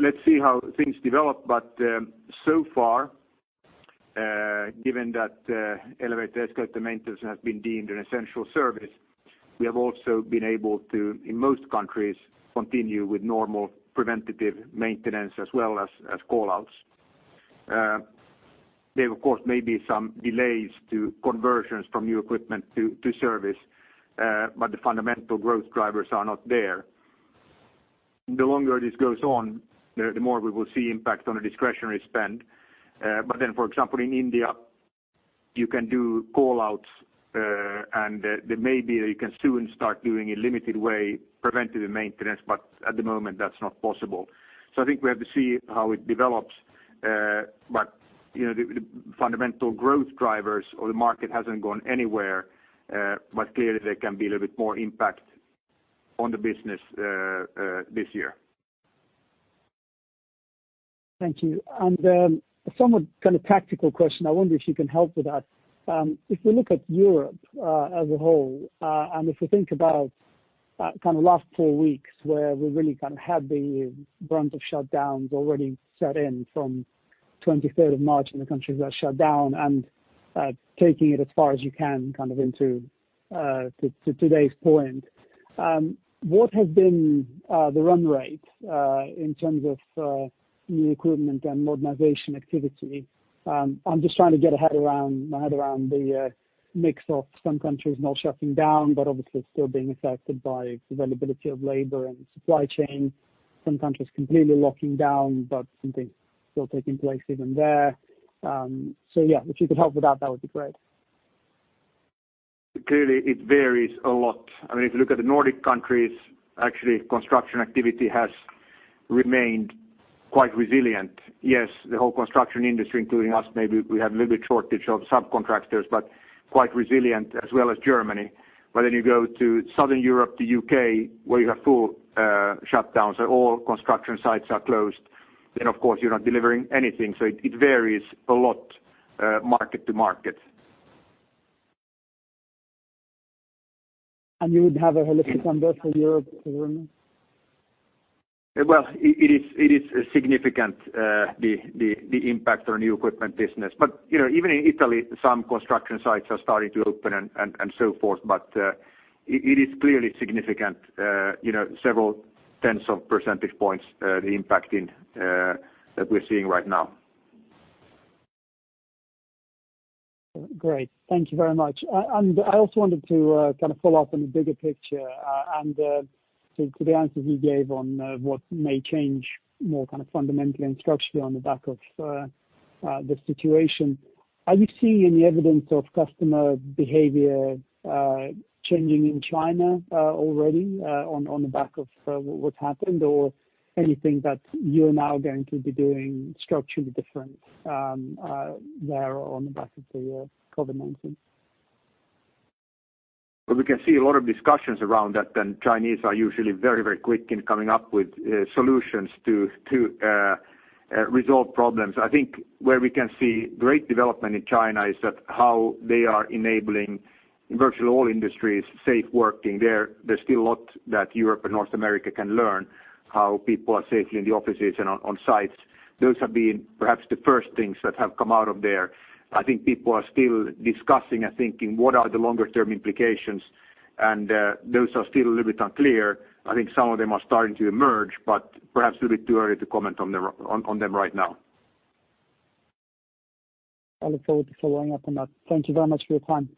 Let's see how things develop, but so far given that elevator, escalator maintenance has been deemed an essential service, we have also been able to, in most countries, continue with normal preventative maintenance as well as call-outs. There of course may be some delays to conversions from new equipment to service. The fundamental growth drivers are not there. The longer this goes on, the more we will see impact on the discretionary spend. For example, in India, you can do call-outs, and there may be that you can soon start doing a limited way preventative maintenance, but at the moment, that's not possible. I think we have to see how it develops. The fundamental growth drivers or the market hasn't gone anywhere. Clearly, there can be a little bit more impact on the business this year. Thank you. Somewhat kind of tactical question. I wonder if you can help with that. If we look at Europe as a whole, and if we think about kind of last two weeks where we really kind of had the brunt of shutdowns already set in from 23rd of March when the countries were shut down and taking it as far as you can into today's point. What has been the run-rate in terms of new equipment and modernization activity? I'm just trying to get my head around the mix of some countries not shutting down, but obviously still being affected by availability of labor and supply chain. Some countries completely locking down, but some things still taking place even there. Yeah, if you could help with that would be great. Clearly, it varies a lot. If you look at the Nordic countries, actually, construction activity has remained quite resilient. Yes, the whole construction industry, including us, maybe we have a little bit shortage of subcontractors, but quite resilient as well as Germany. Then you go to Southern Europe, the U.K., where you have full shutdown, so all construction sites are closed, then of course, you're not delivering anything. It varies a lot market to market. You would have a holistic number for Europe for me? Well, it is significant the impact on new equipment business. Even in Italy, some construction sites are starting to open and so forth. It is clearly significant. Several 10s of percentage points, the impact that we're seeing right now. Great. Thank you very much. I also wanted to kind of follow up on the bigger picture, and to the answers you gave on what may change more kind of fundamentally and structurally on the back of the situation. Are you seeing any evidence of customer behavior changing in China already on the back of what's happened? Or anything that you're now going to be doing structurally different there on the back of the COVID-19? Well, we can see a lot of discussions around that, and Chinese are usually very, very quick in coming up with solutions to resolve problems. I think where we can see great development in China is that how they are enabling virtually all industries safe working there. There's still a lot that Europe and North America can learn, how people are safely in the offices and on sites. Those have been perhaps the first things that have come out of there. I think people are still discussing and thinking what are the longer-term implications, and those are still a little bit unclear. I think some of them are starting to emerge, but perhaps a little bit too early to comment on them right now. I look forward to following up on that. Thank you very much for your time.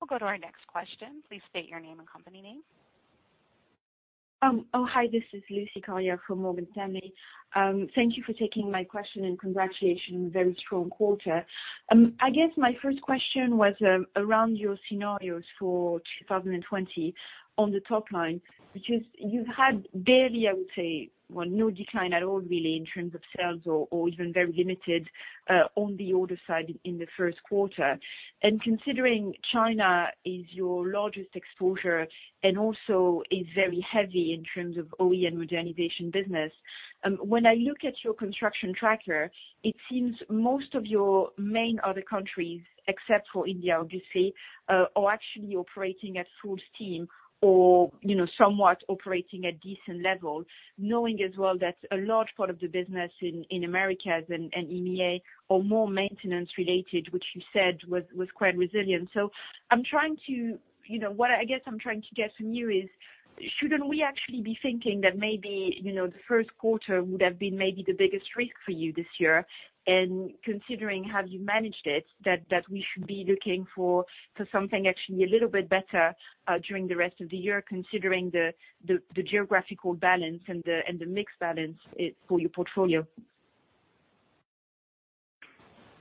We'll go to our next question. Please state your name and company name. Oh, hi, this is Lucie Carrier from Morgan Stanley. Thank you for taking my question, congratulations, very strong quarter. I guess my first question was around your scenarios for 2020 on the top line. You've had barely, I would say, well, no decline at all really in terms of sales or even very limited on the order side in the first quarter. Considering China is your largest exposure and also is very heavy in terms of OEM modernization business, when I look at your construction tracker, it seems most of your main other countries, except for India, obviously, are actually operating at full steam or somewhat operating at decent levels. Knowing as well that a large part of the business in Americas and EMEA are more maintenance related, which you said was quite resilient. What I guess I'm trying to get from you is, shouldn't we actually be thinking that maybe the first quarter would have been maybe the biggest risk for you this year? Considering how you managed it, that we should be looking for something actually a little bit better during the rest of the year, considering the geographical balance and the mix balance for your portfolio.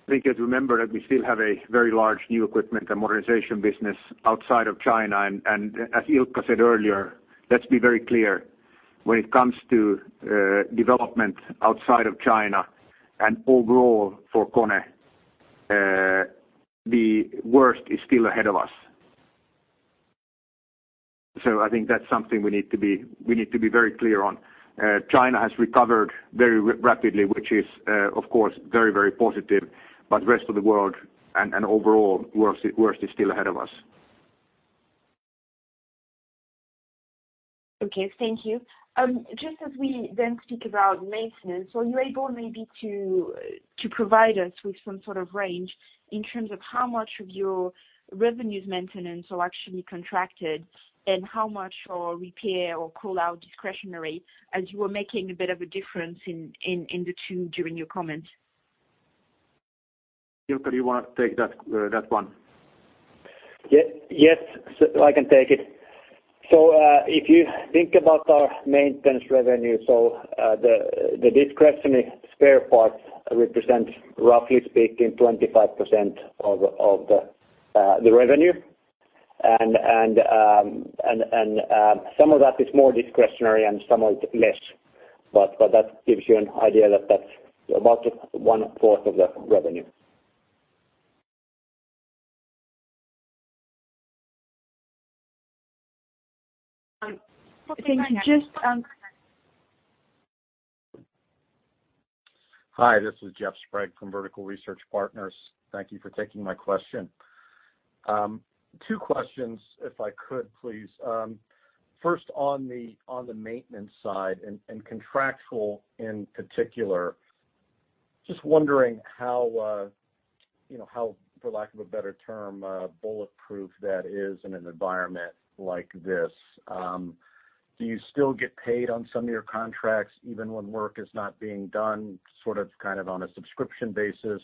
I think you have to remember that we still have a very large new equipment and modernization business outside of China. As Ilkka said earlier, let's be very clear. When it comes to development outside of China and overall for KONE, the worst is still ahead of us. I think that's something we need to be very clear on. China has recovered very rapidly, which is, of course, very, very positive, but the rest of the world and overall, worst is still ahead of us. Okay. Thank you. Just as we then speak about maintenance, are you able maybe to provide us with some sort of range in terms of how much of your revenue's maintenance or actually contracted, and how much are repair or call-out discretionary, as you were making a bit of a difference in the two during your comments? Ilkka, do you want to take that one? Yes. I can take it. If you think about our maintenance revenue. The discretionary spare parts represent, roughly speaking, 25% of the revenue. Some of that is more discretionary and some of it less. That gives you an idea that that's about 1/4 of the revenue. Thank you. Okay. Next. Hi, this is Jeff Sprague from Vertical Research Partners. Thank you for taking my question. Two questions, if I could please. First on the maintenance side and contractual in particular. Just wondering how, for lack of a better term, bulletproof that is in an environment like this. Do you still get paid on some of your contracts even when work is not being done, sort of, kind of on a subscription basis?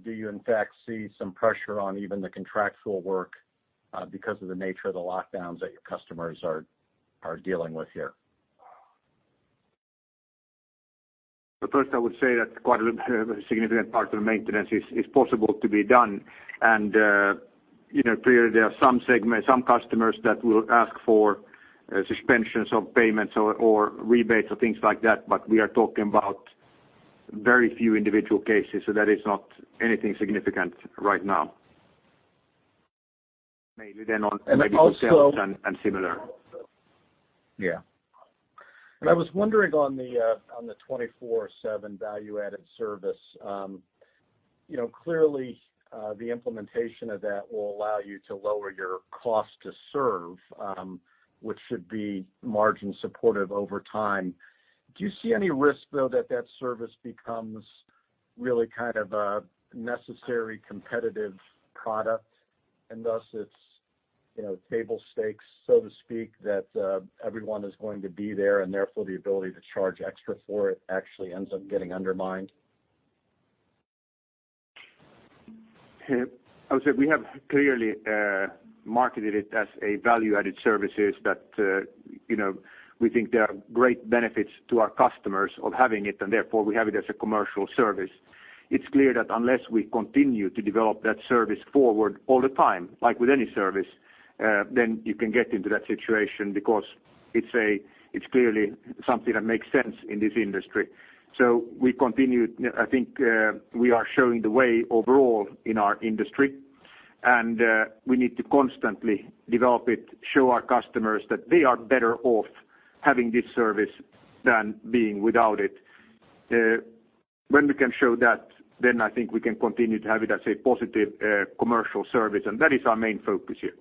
Do you in fact see some pressure on even the contractual work because of the nature of the lockdowns that your customers are dealing with here? First I would say that quite a significant part of maintenance is possible to be done. Clearly there are some customers that will ask for suspensions of payments or rebates or things like that, but we are talking about very few individual cases. That is not anything significant right now. Mainly in retail, aviation, and similar. I was wondering on the 24/7 value-added service. Clearly, the implementation of that will allow you to lower your cost to serve, which should be margin supportive over time. Do you see any risk, though, that that service becomes really kind of a necessary competitive product and thus it's table stakes, so to speak, that everyone is going to be there, and therefore the ability to charge extra for it actually ends up getting undermined? I would say we have clearly marketed it as a value-added services that we think there are great benefits to our customers of having it, and therefore we have it as a commercial service. It's clear that unless we continue to develop that service forward all the time, like with any service, then you can get into that situation because it's clearly something that makes sense in this industry. We continue. I think we are showing the way overall in our industry, and we need to constantly develop it, show our customers that they are better off having this service than being without it. When we can show that, then I think we can continue to have it as a positive commercial service, and that is our main focus here.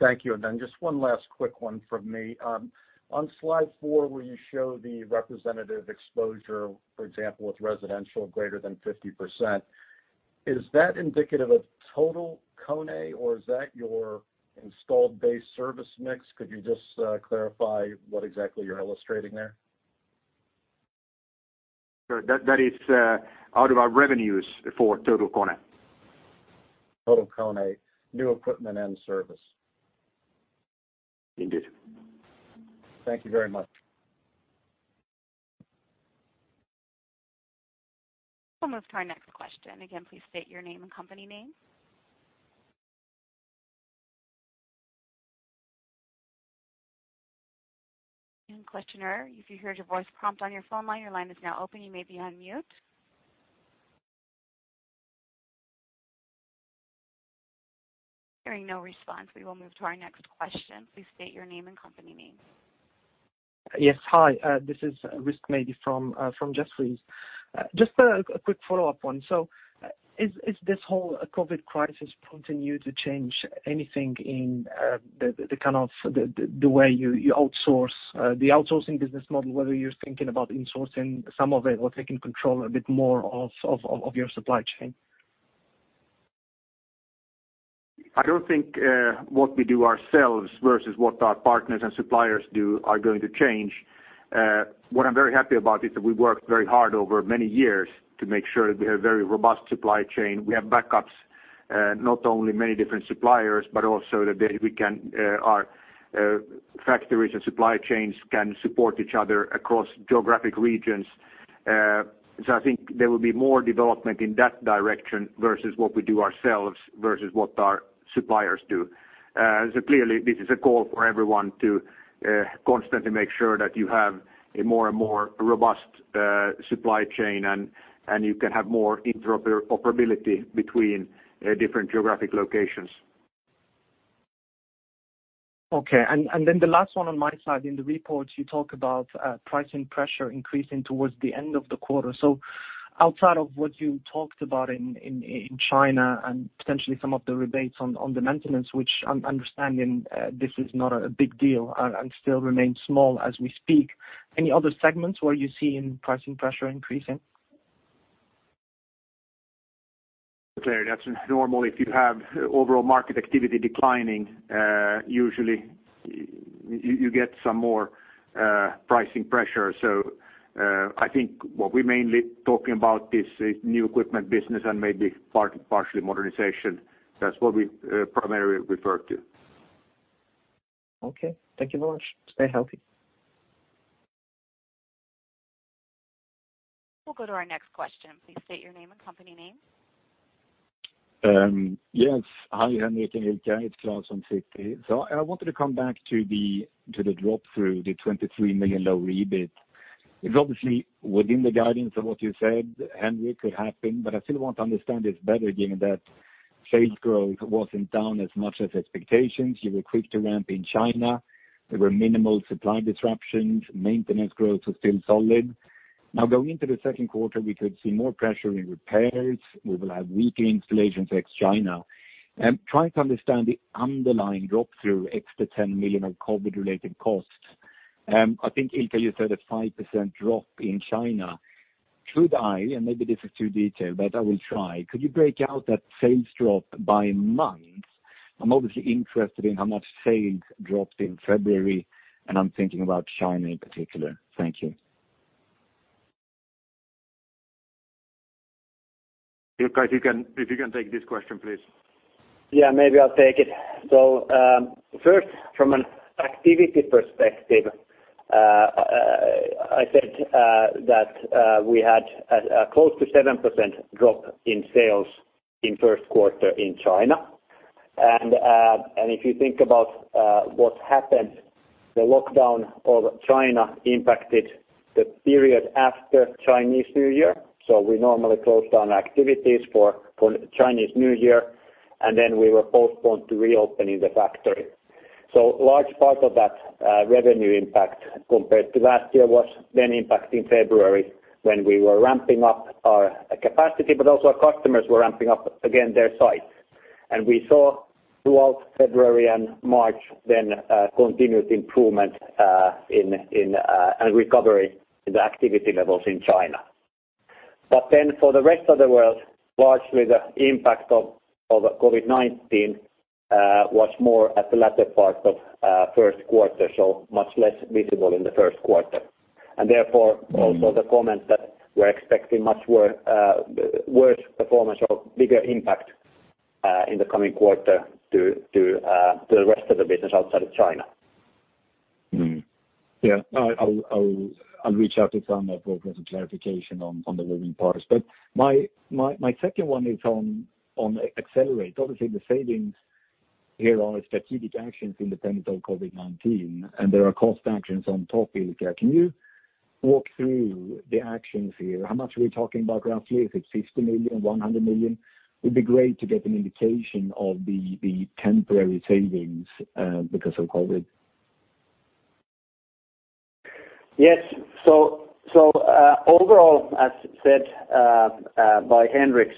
Thank you. Just one last quick one from me. On slide four where you show the representative exposure, for example, with residential greater than 50%, is that indicative of total KONE, or is that your installed base service mix? Could you just clarify what exactly you're illustrating there? Sure. That is out of our revenues for total KONE. Total KONE, new equipment and service. Indeed. Thank you very much. We'll move to our next question. Again, please state your name and company name. Questioner, if you heard your voice prompt on your phone line, your line is now open. You may be on mute. Hearing no response, we will move to our next question. Please state your name and company name. Yes. Hi, this is Rizk Maidi from Jefferies. Just a quick follow-up. Is this whole COVID crisis prompting you to change anything in the way you outsource the outsourcing business model, whether you're thinking about insourcing some of it or taking control a bit more of your supply chain? I don't think what we do ourselves versus what our partners and suppliers do are going to change. What I'm very happy about is that we worked very hard over many years to make sure that we have a very robust supply chain. We have backups, not only many different suppliers, but also that our factories and supply chains can support each other across geographic regions. I think there will be more development in that direction versus what we do ourselves versus what our suppliers do. Clearly, this is a call for everyone to constantly make sure that you have a more and more robust supply chain, and you can have more interoperability between different geographic locations. Okay. The last one on my side. In the report, you talk about pricing pressure increasing towards the end of the quarter. Outside of what you talked about in China and potentially some of the rebates on the maintenance, which I'm understanding this is not a big deal and still remains small as we speak. Any other segments where you're seeing pricing pressure increasing? Clearly, that's normal. If you have overall market activity declining, usually you get some more pricing pressure. I think what we're mainly talking about is new equipment business and maybe partially modernization. That's what we primarily refer to. Okay. Thank you very much. Stay healthy. We'll go to our next question. Please state your name and company name. Yes. Hi, Henrik and Ilkka. It's Klas from Citi. I wanted to come back to the drop through the 23 million low EBIT. It's obviously within the guidance of what you said, Henrik, could happen, but I still want to understand this better, given that sales growth wasn't down as much as expectations. You were quick to ramp in China. There were minimal supply disruptions. Maintenance growth was still solid. Going into the second quarter, we could see more pressure in repairs. We will have weaker installations ex China. I'm trying to understand the underlying drop through ex the 10 million of COVID-related costs. I think Ilkka, you said a 5% drop in China. Should I, and maybe this is too detailed, but I will try. Could you break out that sales drop by month? I'm obviously interested in how much sales dropped in February, and I'm thinking about China in particular. Thank you. Ilkka, if you can take this question, please. Yeah, maybe I'll take it. First, from an activity perspective, I said that we had a close to 7% drop in sales in first quarter in China. If you think about what happened. The lockdown of China impacted the period after Chinese New Year. We normally close down activities for Chinese New Year, and then we were postponed to reopening the factory. Large part of that revenue impact compared to last year was then impact in February when we were ramping up our capacity, but also our customers were ramping up again their sites. We saw throughout February and March then continued improvement and recovery in the activity levels in China. For the rest of the world, largely the impact of COVID-19 was more at the latter part of first quarter, so much less visible in the first quarter. Therefore, also the comment that we're expecting much worse performance or bigger impact in the coming quarter to the rest of the business outside of China. Yeah. I'll reach out with some progress and clarification on the moving parts. My second one is on Accelerate. Obviously, the savings here are strategic actions independent of COVID-19, and there are cost actions on top, Ilkka. Can you walk through the actions here? How much are we talking about roughly? Is it 50 million? 100 million? Would be great to get an indication of the temporary savings because of COVID. Yes. Overall, as said by Henrik,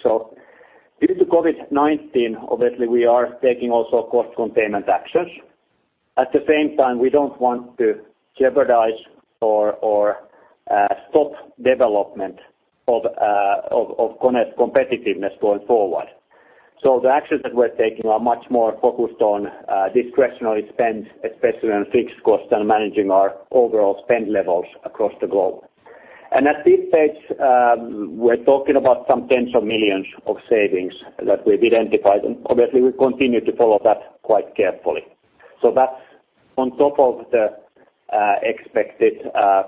due to COVID-19, obviously, we are taking also cost containment actions. At the same time, we don't want to jeopardize or stop development of KONE's competitiveness going forward. The actions that we're taking are much more focused on discretionary spend, especially on fixed costs and managing our overall spend levels across the globe. At this stage, we're talking about some 10 millions of savings that we've identified, and obviously, we continue to follow that quite carefully. That's on top of the expected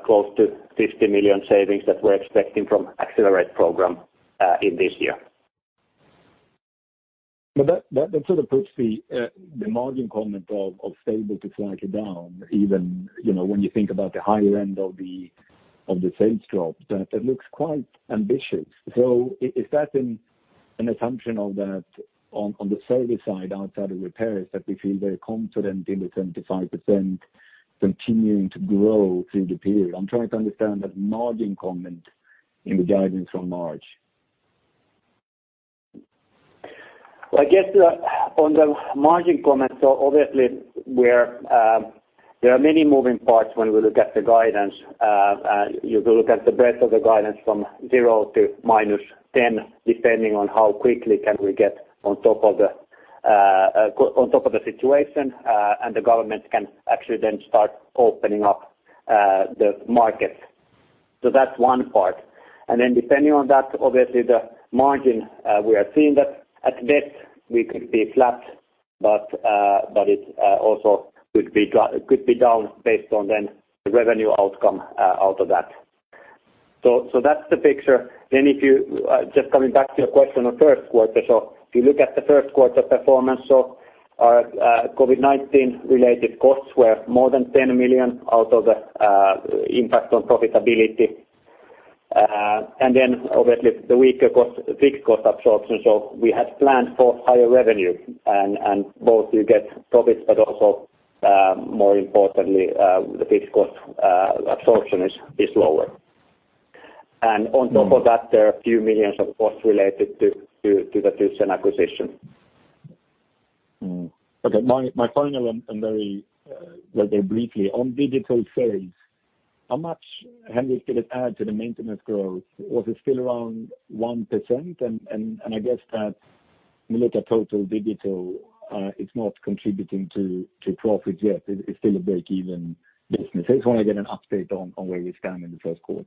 close to 50 million savings that we're expecting from Accelerate program in this year. That sort of puts the margin comment of stable to slightly down even, when you think about the higher end of the sales drop, that looks quite ambitious. Is that an assumption of that on the service side, outside of repairs, that we feel very confident in the 25% continuing to grow through the period? I'm trying to understand that margin comment in the guidance from March. I guess, on the margin comment, obviously there are many moving parts when we look at the guidance. You look at the breadth of the guidance from zero to -10, depending on how quickly can we get on top of the situation, the government can actually then start opening up the markets. That's one part. Depending on that, obviously the margin, we are seeing that at best we could be flat, but it also could be down based on then the revenue outcome out of that. That's the picture. Just coming back to your question on first quarter. If you look at the first quarter performance, our COVID-19 related costs were more than 10 million out of the impact on profitability. Obviously the weaker fixed cost absorption. We had planned for higher revenue and gross profit, but also more importantly, the fixed cost absorption is lower. On top of that, there are a few millions of costs related to the thyssenkrupp acquisition. Okay. My final one, very briefly. On digital sales, how much, Henrik, did it add to the maintenance growth? Was it still around 1%? I guess that when you look at total digital, it's not contributing to profits yet. It's still a break-even business. I just want to get an update on where we stand in the first quarter.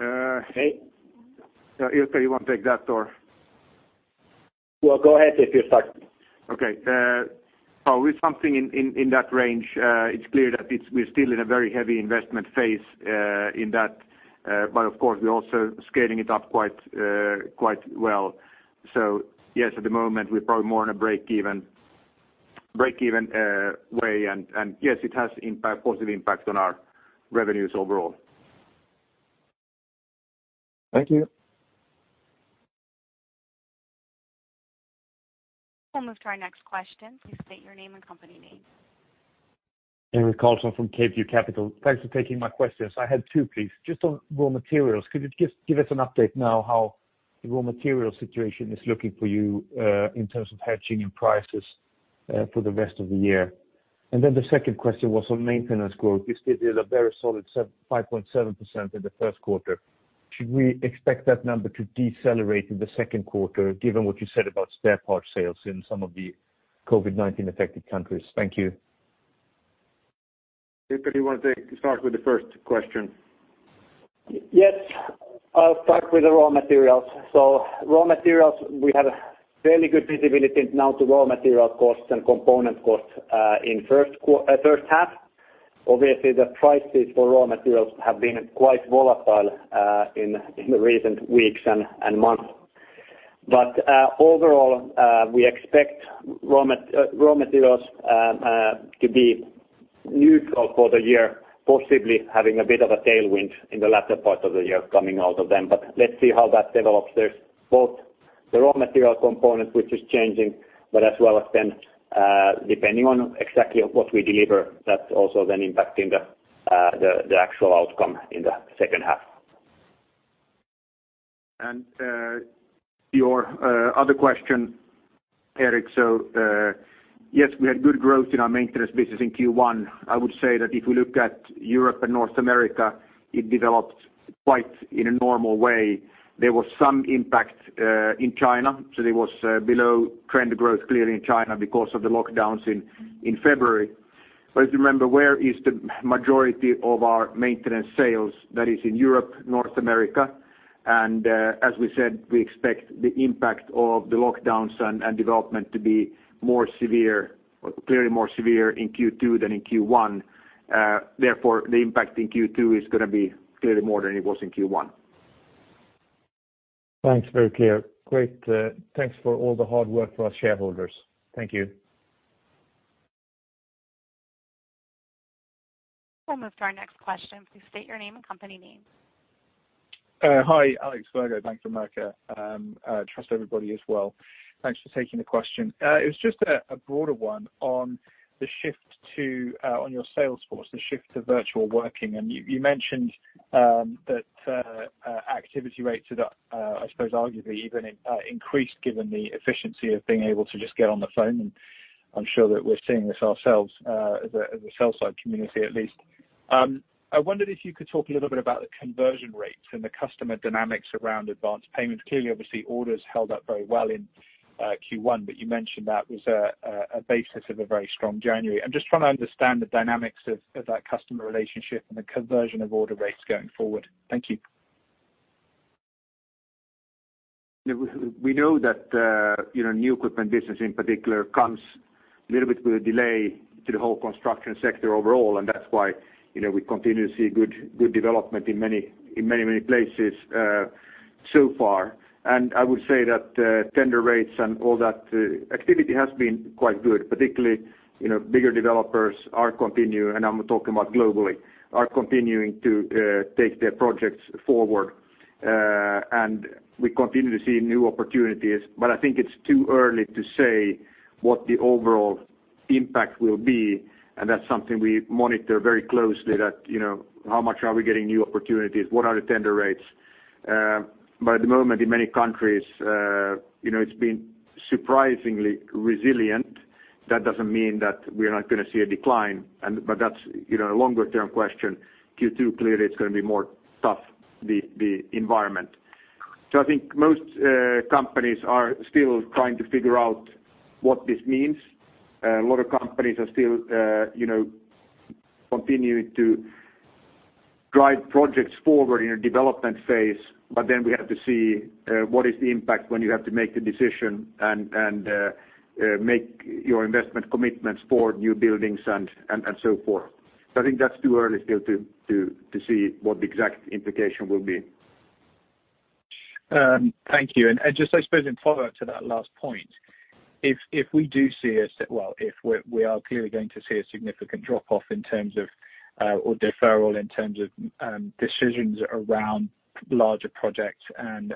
Ilkka, you want to take that or? Well, go ahead, if can start. Okay. With something in that range, it's clear that we're still in a very heavy investment phase in that. Of course, we're also scaling it up quite well. Yes, at the moment, we're probably more on a break-even way. Yes, it has positive impact on our revenues overall. Thank you. We'll move to our next question. Please state your name and company name. Erik Karlsson from CapeView Capital. Thanks for taking my questions. I had two, please. Just on raw materials, could you just give us an update now how the raw material situation is looking for you in terms of hedging and prices for the rest of the year? The second question was on maintenance growth. You stated a very solid 5.7% in the first quarter. Should we expect that number to decelerate in the second quarter, given what you said about spare parts sales in some of the COVID-19 affected countries? Thank you. Ilkka, do you want to start with the first question? Yes. I'll start with the raw materials. Raw materials, we have fairly good visibility now to raw material costs and component costs in first half. Obviously, the prices for raw materials have been quite volatile in the recent weeks and months. Overall, we expect raw materials to be neutral for the year, possibly having a bit of a tailwind in the latter part of the year coming out of them. Let's see how that develops. There is both the raw material component, which is changing, but as well as then, depending on exactly what we deliver, that is also then impacting the actual outcome in the second half. Your other question, Erik. Yes, we had good growth in our maintenance business in Q1. I would say that if we look at Europe and North America, it developed quite in a normal way. There was some impact in China, so there was below-trend growth clearly in China because of the lockdowns in February. If you remember, where is the majority of our maintenance sales? That is in Europe, North America, and as we said, we expect the impact of the lockdowns and development to be more severe, clearly more severe in Q2 than in Q1. Therefore, the impact in Q2 is going to be clearly more than it was in Q1. Thanks, very clear. Great. Thanks for all the hard work for us shareholders. Thank you. We'll move to our next question. Please state your name and company name. Hi, Alex Virgo, Bank of America. I trust everybody is well. Thanks for taking the question. It was just a broader one on your sales force, the shift to virtual working. You mentioned that activity rates have, I suppose, arguably even increased given the efficiency of being able to just get on the phone, and I'm sure that we're seeing this ourselves as a sell-side community, at least. I wondered if you could talk a little bit about the conversion rates and the customer dynamics around advanced payments. Clearly, obviously, orders held up very well in Q1, but you mentioned that was a basis of a very strong January. I'm just trying to understand the dynamics of that customer relationship and the conversion of order rates going forward. Thank you. We know that new equipment business in particular comes a little bit with a delay to the whole construction sector overall, and that's why we continue to see good development in many places so far. I would say that tender rates and all that activity has been quite good. Particularly, bigger developers are continuing, and I'm talking about globally, are continuing to take their projects forward. We continue to see new opportunities. I think it's too early to say what the overall impact will be, and that's something we monitor very closely that how much are we getting new opportunities? What are the tender rates? At the moment, in many countries, it's been surprisingly resilient. That doesn't mean that we're not going to see a decline, but that's a longer-term question. Q2 clearly it's going to be more tough, the environment. I think most companies are still trying to figure out what this means. A lot of companies are still continuing to drive projects forward in a development phase, but then we have to see what is the impact when you have to make the decision and make your investment commitments for new buildings and so forth. I think that's too early still to see what the exact implication will be. Thank you. Just, I suppose, in follow-up to that last point, if we are clearly going to see a significant drop-off or deferral in terms of decisions around larger projects and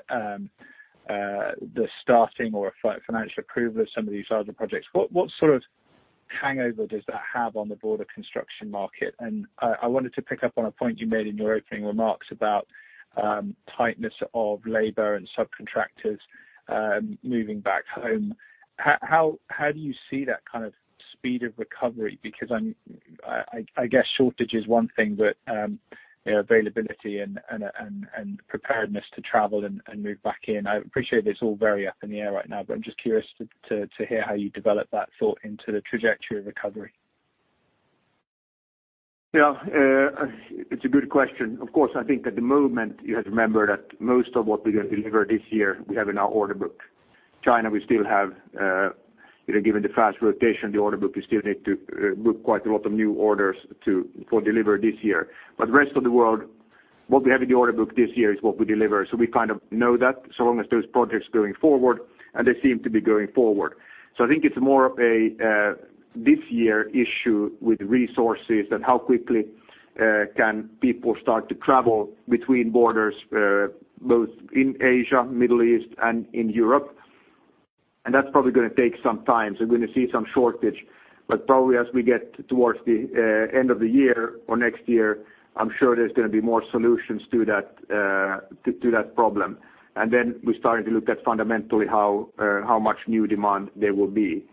the starting or financial approval of some of these larger projects, what sort of hangover does that have on the broader construction market? I wanted to pick up on a point you made in your opening remarks about tightness of labor and subcontractors moving back home. How do you see that kind of speed of recovery? I guess shortage is one thing, but availability and preparedness to travel and move back in. I appreciate it's all very up in the air right now, but I'm just curious to hear how you develop that thought into the trajectory of recovery. It's a good question. Of course, I think at the moment you have to remember that most of what we're going to deliver this year, we have in our order book. China, given the fast rotation, the order book, we still need to book quite a lot of new orders for delivery this year. The rest of the world, what we have in the order book this year is what we deliver. We kind of know that so long as those projects going forward, and they seem to be going forward. I think it's more of a this year issue with resources and how quickly can people start to travel between borders, both in Asia, Middle East, and in Europe. That's probably going to take some time. We're going to see some shortage. Probably as we get towards the end of the year or next year, I'm sure there's going to be more solutions to that problem. We're starting to look at fundamentally how much new demand there will be.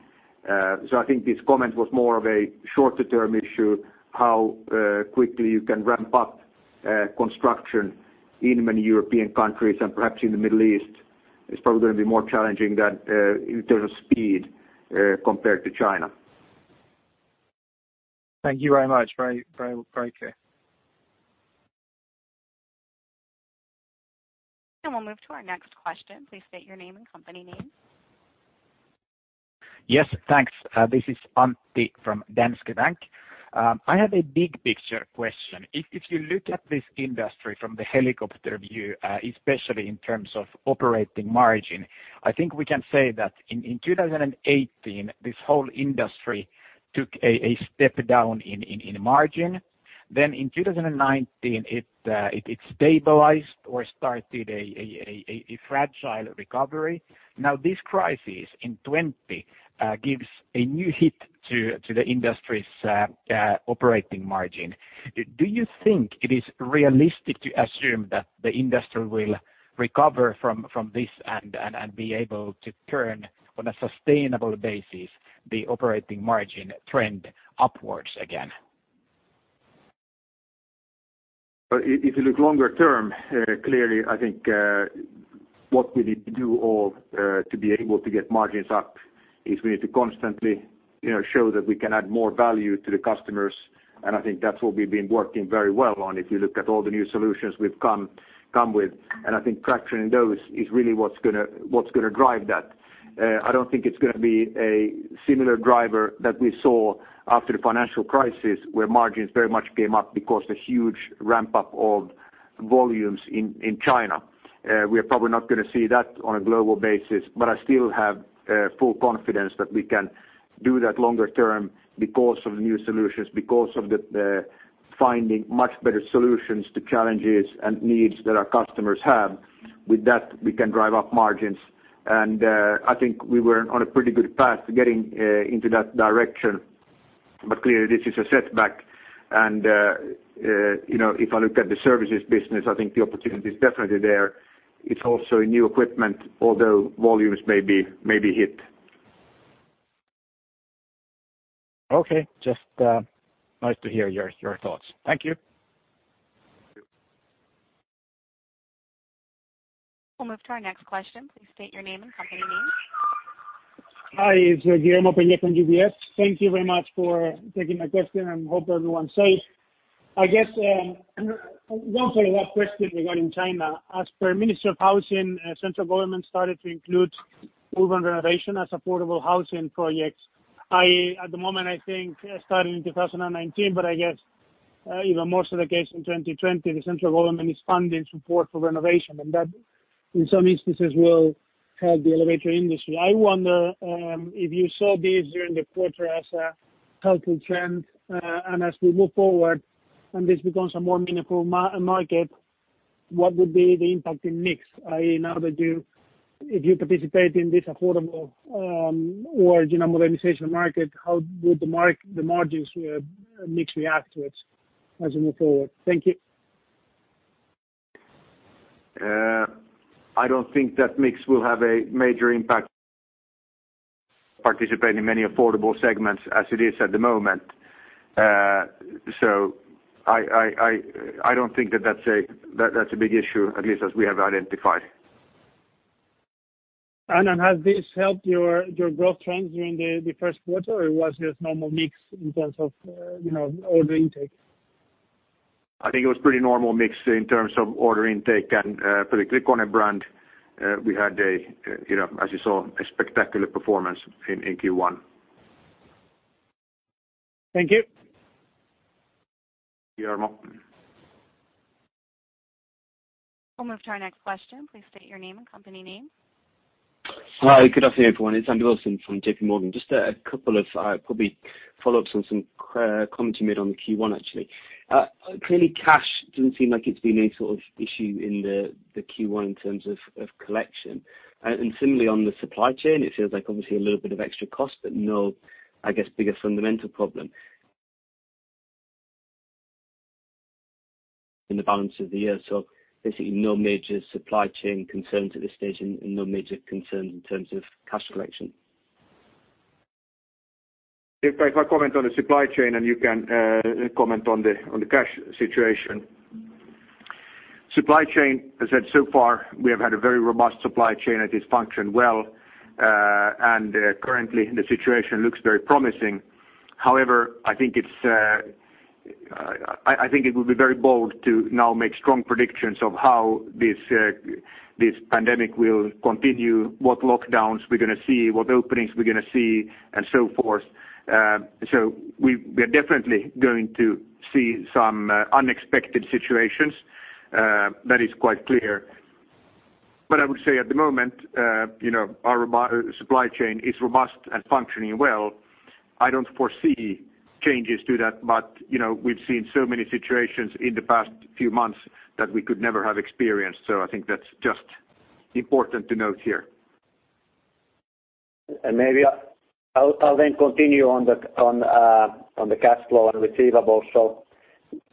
I think this comment was more of a shorter-term issue, how quickly you can ramp up construction in many European countries and perhaps in the Middle East. It's probably going to be more challenging in terms of speed compared to China. Thank you very much. Very clear. We'll move to our next question. Please state your name and company name. Yes, thanks. This is Antti from Danske Bank. I have a big picture question. If you look at this industry from the helicopter view, especially in terms of operating margin, I think we can say that in 2018, this whole industry took a step down in margin. In 2019, it stabilized or started a fragile recovery. This crisis in 2020 gives a new hit to the industry's operating margin. Do you think it is realistic to assume that the industry will recover from this and be able to turn on a sustainable basis, the operating margin trend upwards again? If you look longer term, clearly, I think what we need to do all to be able to get margins up is we need to constantly show that we can add more value to the customers. I think that's what we've been working very well on. If you look at all the new solutions we've come with, and I think traction in those is really what's going to drive that. I don't think it's going to be a similar driver that we saw after the financial crisis where margins very much came up because the huge ramp-up of volumes in China. We are probably not going to see that on a global basis, I still have full confidence that we can do that longer term because of new solutions, because of the finding much better solutions to challenges and needs that our customers have. With that, we can drive up margins. I think we were on a pretty good path to getting into that direction. Clearly this is a setback and if I look at the services business, I think the opportunity is definitely there. It's also in new equipment, although volumes may be hit. Okay. Just nice to hear your thoughts. Thank you. We'll move to our next question. Please state your name and company name. Hi, it's Guillermo Peigneux from UBS. Thank you very much for taking my question and hope everyone's safe. I guess one follow-up question regarding China. As per Minister of Housing, central government started to include urban renovation as affordable housing projects. At the moment, I think starting in 2019, but I guess even more so the case in 2020, the central government is funding support for renovation, and that, in some instances, will help the elevator industry. I wonder if you saw this during the quarter as a healthy trend, and as we move forward and this becomes a more meaningful market, what would be the impact in mix? Now that you participate in this affordable or modernization market, how would the margins mix react to it as we move forward? Thank you. I don't think that mix will have a major impact participating in many affordable segments as it is at the moment. I don't think that that's a big issue, at least as we have identified. Has this helped your growth trends during the first quarter, or was this normal mix in terms of order intake? I think it was pretty normal mix in terms of order intake and for the KONE brand, we had a, as you saw, a spectacular performance in Q1. Thank you. Guillermo. We'll move to our next question. Please state your name and company name. Hi, good afternoon, everyone. It's Andrew Wilson from JPMorgan. Just a couple of probably follow-ups on some comments you made on Q1 actually. Clearly, cash doesn't seem like it's been any sort of issue in the Q1 in terms of collection. Similarly on the supply chain, it feels like obviously a little bit of extra cost, but no, I guess bigger fundamental problem in the balance of the year. Basically, no major supply chain concerns at this stage and no major concerns in terms of cash collection. If I comment on the supply chain and you can comment on the cash situation. Supply chain, as said so far, we have had a very robust supply chain and it's functioned well. Currently the situation looks very promising. However, I think it would be very bold to now make strong predictions of how this pandemic will continue, what lockdowns we're going to see, what openings we're going to see and so forth. We are definitely going to see some unexpected situations. That is quite clear. I would say at the moment our supply chain is robust and functioning well. I don't foresee changes to that. We've seen so many situations in the past few months that we could never have experienced. I think that's just important to note here. Maybe I'll then continue on the cash flow and receivables.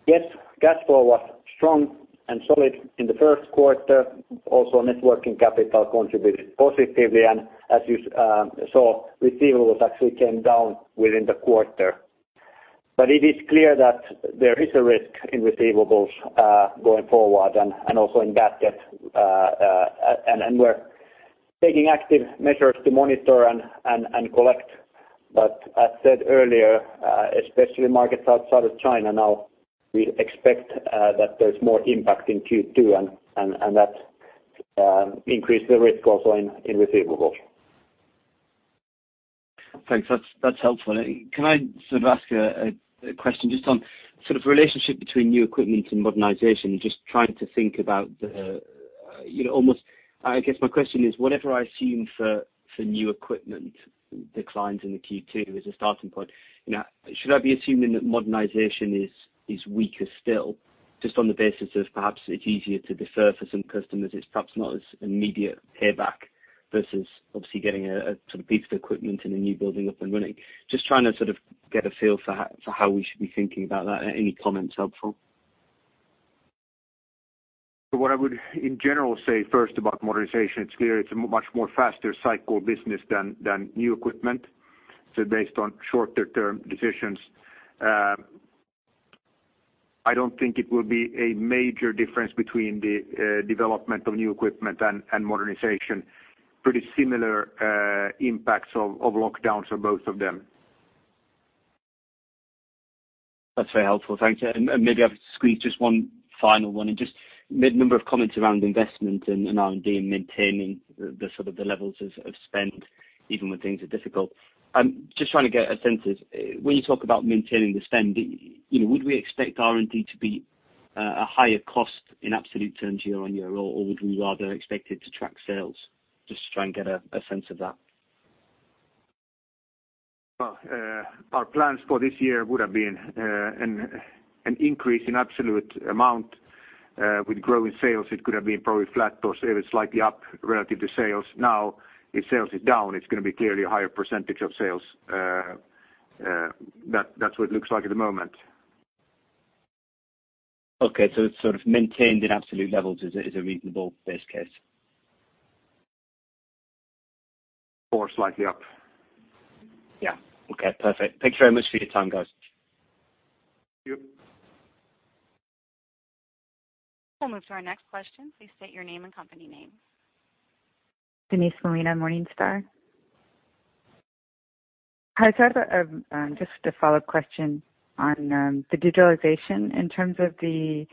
Yes, cash flow was strong and solid in the first quarter. Also, net working capital contributed positively, and as you saw, receivables actually came down within the quarter. It is clear that there is a risk in receivables going forward and also in bad debt. We are taking active measures to monitor and collect, but as said earlier, especially markets outside of China now, we expect that there is more impact in Q2 and that. Increase the risk also in receivables. Thanks. That's helpful. Can I sort of ask a question just on sort of relationship between new equipment and modernization? Just trying to think about I guess my question is, whatever I assume for new equipment declines in the Q2 as a starting point. Should I be assuming that modernization is weaker still, just on the basis of perhaps it's easier to defer for some customers, it's perhaps not as immediate payback versus obviously getting a sort of piece of equipment in a new building up and running. Just trying to sort of get a feel for how we should be thinking about that. Any comments helpful? What I would in general say first about modernization. It's clear it's a much more faster cycle business than new equipment, based on shorter-term decisions. I don't think it will be a major difference between the development of new equipment and modernization, pretty similar impacts of lockdowns for both of them. That's very helpful. Thank you. Maybe I'll squeeze just one final one. Just number of comments around investment and R&D and maintaining the sort of the levels of spend even when things are difficult. Just trying to get a sense of when you talk about maintaining the spend, would we expect R&D to be a higher cost in absolute terms year-on-year, or would we rather expect it to track sales? Just to try and get a sense of that. Well, our plans for this year would have been an increase in absolute amount. With growing sales, it could have been probably flat or slightly up relative to sales. If sales is down, it's going to be clearly a higher percentage of sales. That's what it looks like at the moment. Okay, it's sort of maintained in absolute levels is a reasonable base case. Slightly up. Yeah. Okay, perfect. Thank you very much for your time, guys. Thank you. We'll move to our next question. Please state your name and company name. Denise Molina, Morningstar. Hi, Henrik. Just a follow-up question on the digitalization in terms of the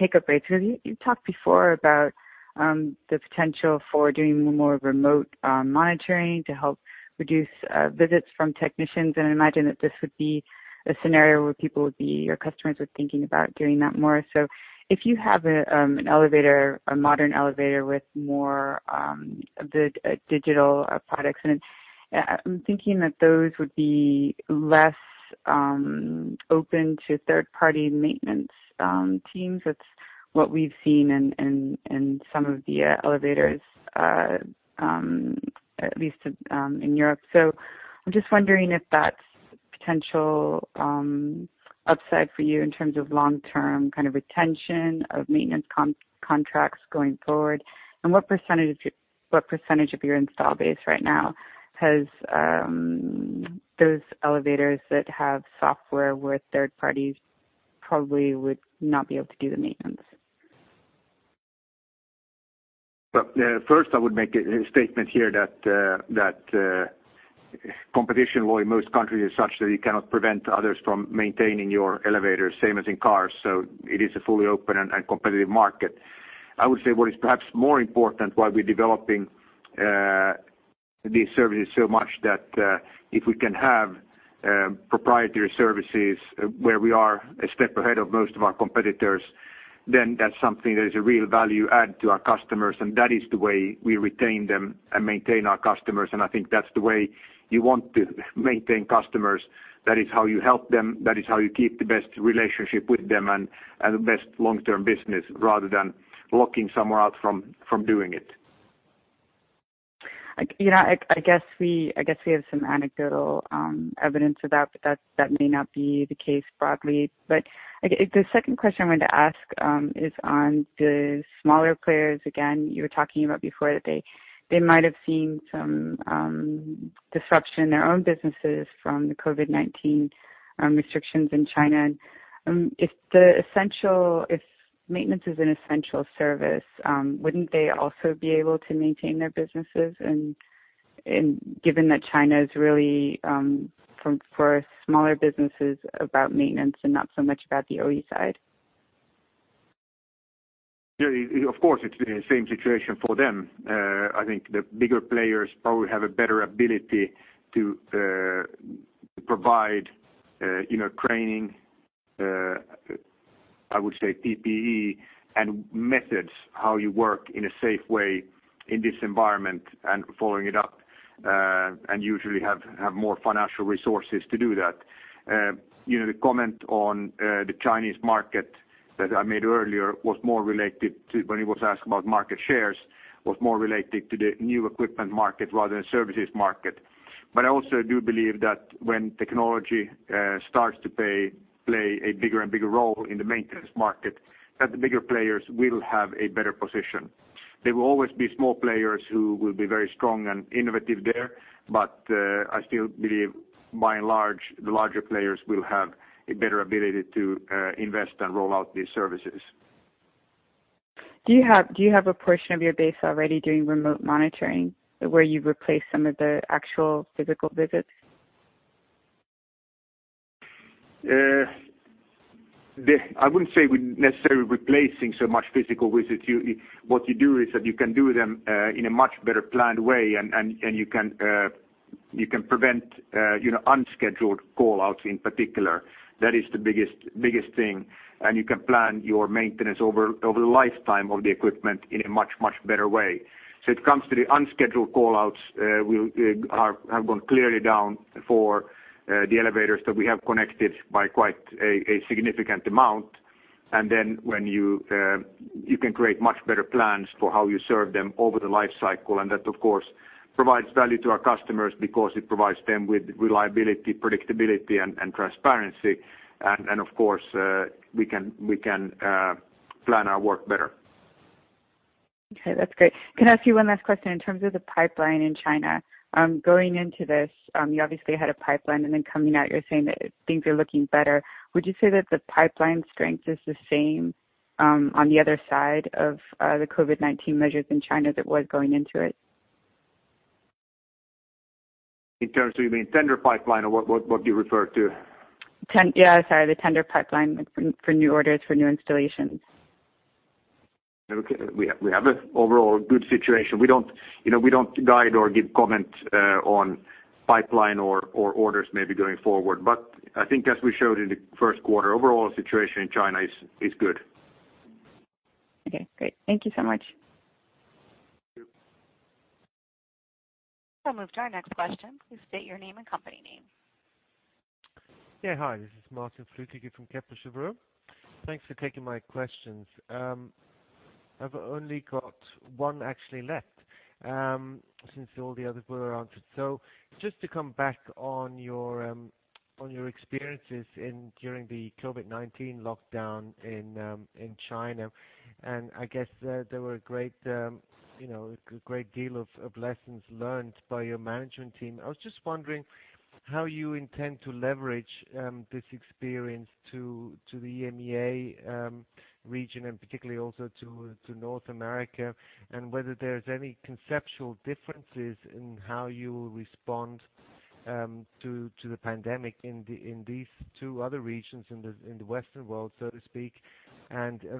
take-up rates. You talked before about the potential for doing more remote monitoring to help reduce visits from technicians, and I imagine that this would be a scenario where people would be, or customers are thinking about doing that more. If you have an elevator, a modern elevator with more digital products in it, I'm thinking that those would be less open to third-party maintenance teams. That's what we've seen in some of the elevators, at least in Europe. I'm just wondering if that's potential upside for you in terms of long-term kind of retention of maintenance contracts going forward. What percentage of your install base right now has those elevators that have software where third parties probably would not be able to do the maintenance? First, I would make a statement here that competition law in most countries is such that you cannot prevent others from maintaining your elevators, same as in cars. It is a fully open and competitive market. I would say what is perhaps more important, why we're developing these services so much that if we can have proprietary services where we are a step ahead of most of our competitors, then that's something that is a real value add to our customers, and that is the way we retain them and maintain our customers. I think that's the way you want to maintain customers. That is how you help them. That is how you keep the best relationship with them and the best long-term business rather than locking someone out from doing it. I guess we have some anecdotal evidence of that, but that may not be the case broadly. The second question I wanted to ask is on the smaller players, again, you were talking about before that they might have seen some disruption in their own businesses from the COVID-19 restrictions in China. If maintenance is an essential service, wouldn't they also be able to maintain their businesses given that China is really, for smaller businesses about maintenance and not so much about the OE side? Of course, it's the same situation for them. I think the bigger players probably have a better ability to provide training, I would say PPE and methods, how you work in a safe way in this environment and following it up. Usually have more financial resources to do that. The comment on the Chinese market that I made earlier was more related to when he was asked about market shares, was more related to the new equipment market rather than services market. I also do believe that when technology starts to play a bigger and bigger role in the maintenance market, that the bigger players will have a better position. There will always be small players who will be very strong and innovative there, but I still believe by and large, the larger players will have a better ability to invest and roll out these services. Do you have a portion of your base already doing remote monitoring where you've replaced some of the actual physical visits? I wouldn't say we're necessarily replacing so much physical visits. What you do is that you can do them in a much better planned way. You can prevent unscheduled call-outs in particular. That is the biggest thing. You can plan your maintenance over the lifetime of the equipment in a much, much better way. It comes to the unscheduled call-outs have gone clearly down for the elevators that we have connected by quite a significant amount. You can create much better plans for how you serve them over the life cycle. That, of course, provides value to our customers because it provides them with reliability, predictability, and transparency. Of course, we can plan our work better. Okay. That's great. Can I ask you one last question in terms of the pipeline in China? Going into this, you obviously had a pipeline, and then coming out you're saying that things are looking better. Would you say that the pipeline strength is the same on the other side of the COVID-19 measures in China as it was going into it? In terms of you mean tender pipeline or what do you refer to? Yeah, sorry, the tender pipeline for new orders for new installations. Okay. We have an overall good situation. We don't guide or give comment on pipeline or orders maybe going forward. I think as we showed in the first quarter, overall situation in China is good. Okay, great. Thank you so much. Thank you. I'll move to our next question. Please state your name and company name. Yeah, hi. This is Martin Flueckiger from Kepler Cheuvreux. Thanks for taking my questions. I've only got one actually left since all the others were answered. Just to come back on your experiences during the COVID-19 lockdown in China, and I guess there were a great deal of lessons learned by your management team. I was just wondering how you intend to leverage this experience to the EMEA region and particularly also to North America, and whether there's any conceptual differences in how you will respond to the pandemic in these two other regions in the western world, so to speak.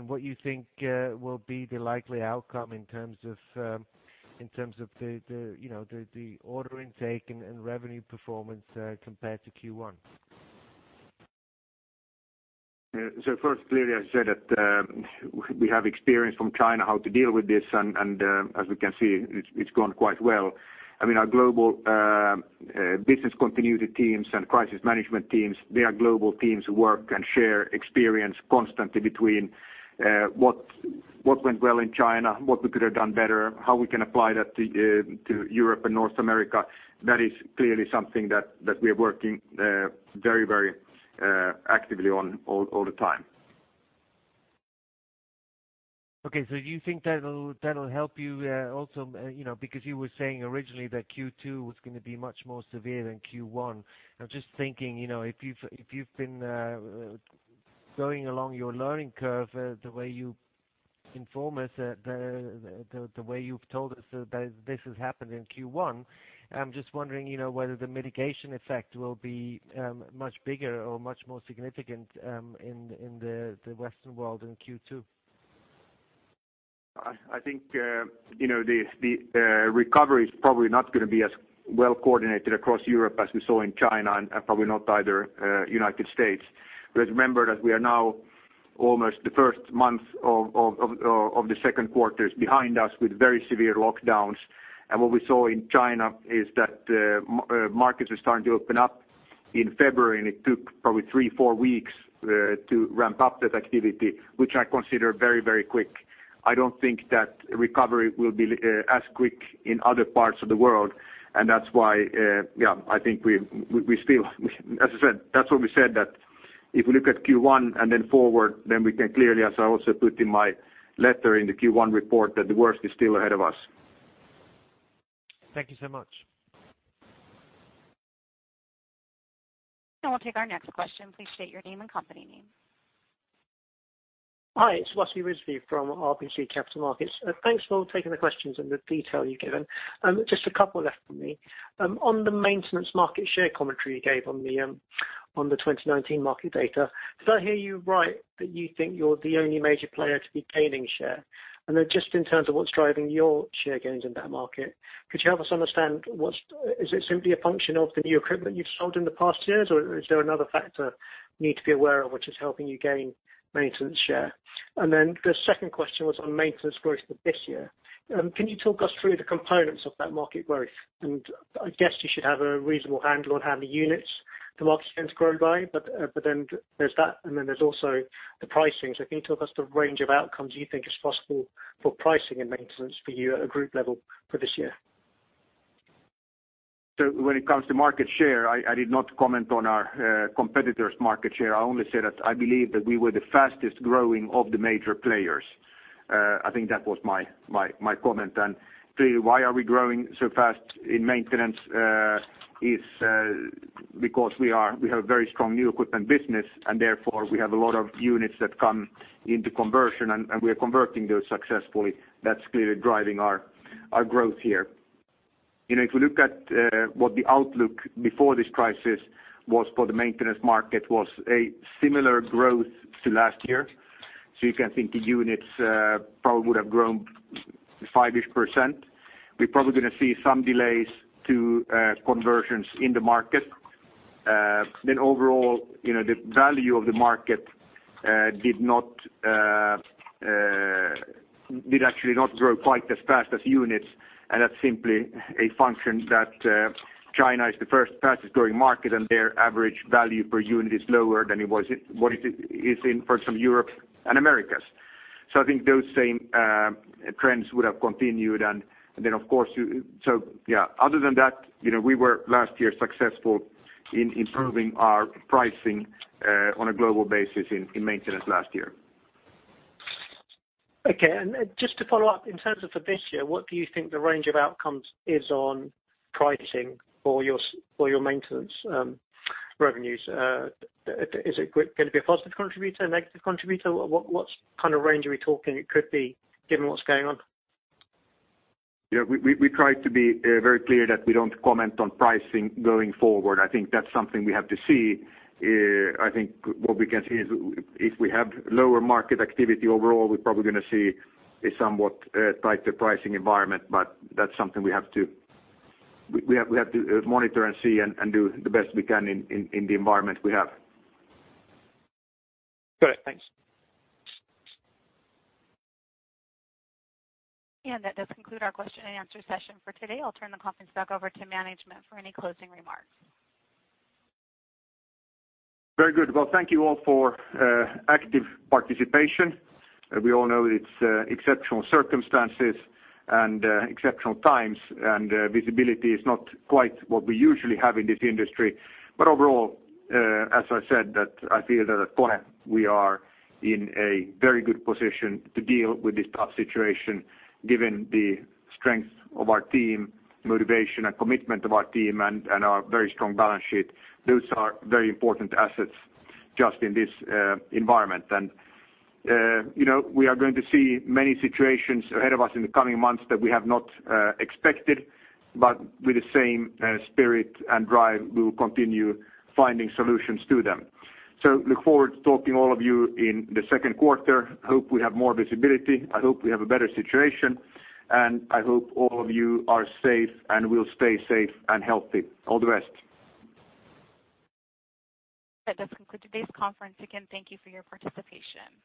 What you think will be the likely outcome in terms of the order in-take and revenue performance compared to Q1. First, clearly I said that we have experience from China how to deal with this, and as we can see, it's gone quite well. Our global business continuity teams and crisis management teams, they are global teams who work and share experience constantly between what went well in China, what we could have done better, how we can apply that to Europe and North America. That is clearly something that we are working very actively on all the time. Okay, you think that'll help you also, because you were saying originally that Q2 was going to be much more severe than Q1. I'm just thinking, if you've been going along your learning curve the way you inform us, the way you've told us that this has happened in Q1, I'm just wondering whether the mitigation effect will be much bigger or much more significant in the Western world in Q2? I think the recovery is probably not going to be as well coordinated across Europe as we saw in China, and probably not either U.S. Because remember that we are now almost the first month of the second quarter is behind us with very severe lockdowns. What we saw in China is that markets are starting to open up in February, and it took probably three, four weeks to ramp up that activity, which I consider very quick. I don't think that recovery will be as quick in other parts of the world. That's why I think, as I said, that's why we said that if we look at Q1 and then forward, then we can clearly, as I also put in my letter in the Q1 report, that the worst is still ahead of us. Thank you so much. We'll take our next question. Please state your name and company name. Hi, it's Wasi Rizvi from RBC Capital Markets. Thanks for taking the questions and the detail you've given. Just a couple left for me. On the maintenance market share commentary you gave on the 2019 market data, did I hear you right that you think you're the only major player to be gaining share? Just in terms of what's driving your share gains in that market, could you help us understand is it simply a function of the new equipment you've sold in the past years, or is there another factor we need to be aware of which is helping you gain maintenance share? The second question was on maintenance growth for this year. Can you talk us through the components of that market growth? I guess you should have a reasonable handle on how many units the market's going to grow by, but then there's that, and then there's also the pricing. Can you talk us the range of outcomes you think is possible for pricing and maintenance for you at a group level for this year? When it comes to market share, I did not comment on our competitors' market share. I only said that I believe that we were the fastest growing of the major players. I think that was my comment. Clearly why are we growing so fast in maintenance is because we have a very strong new equipment business, and therefore we have a lot of units that come into conversion, and we are converting those successfully. That's clearly driving our growth here. If we look at what the outlook before this crisis was for the maintenance market was a similar growth to last year. You can think the units probably would have grown 5%.. We're probably going to see some delays to conversions in the market. Overall, the value of the market did actually not grow quite as fast as units. That's simply a function that China is the fastest-growing market, and their average value per unit is lower than what it is in, for instance, Europe and Americas. I think those same trends would have continued. Yeah, other than that, we were last year successful in improving our pricing on a global basis in maintenance last year. Okay. Just to follow up, in terms of for this year, what do you think the range of outcomes is on pricing for your maintenance revenues? Is it going to be a positive contributor, a negative contributor? What kind of range are we talking it could be given what's going on? Yeah, we try to be very clear that we don't comment on pricing going forward. I think that's something we have to see. I think what we can see is if we have lower market activity overall, we're probably going to see a somewhat tighter pricing environment. That's something we have to monitor and see and do the best we can in the environment we have. Got it. Thanks. That does conclude our question and answer session for today. I will turn the conference back over to management for any closing remarks. Very good. Well, thank you all for active participation. We all know it's exceptional circumstances and exceptional times, and visibility is not quite what we usually have in this industry. Overall, as I said that I feel that at KONE, we are in a very good position to deal with this tough situation given the strength of our team, motivation and commitment of our team and our very strong balance sheet. Those are very important assets just in this environment. We are going to see many situations ahead of us in the coming months that we have not expected, but with the same spirit and drive, we will continue finding solutions to them. Look forward to talking to all of you in the second quarter. Hope we have more visibility. I hope we have a better situation. I hope all of you are safe and will stay safe and healthy. All the best. That does conclude today's conference. Again, thank you for your participation.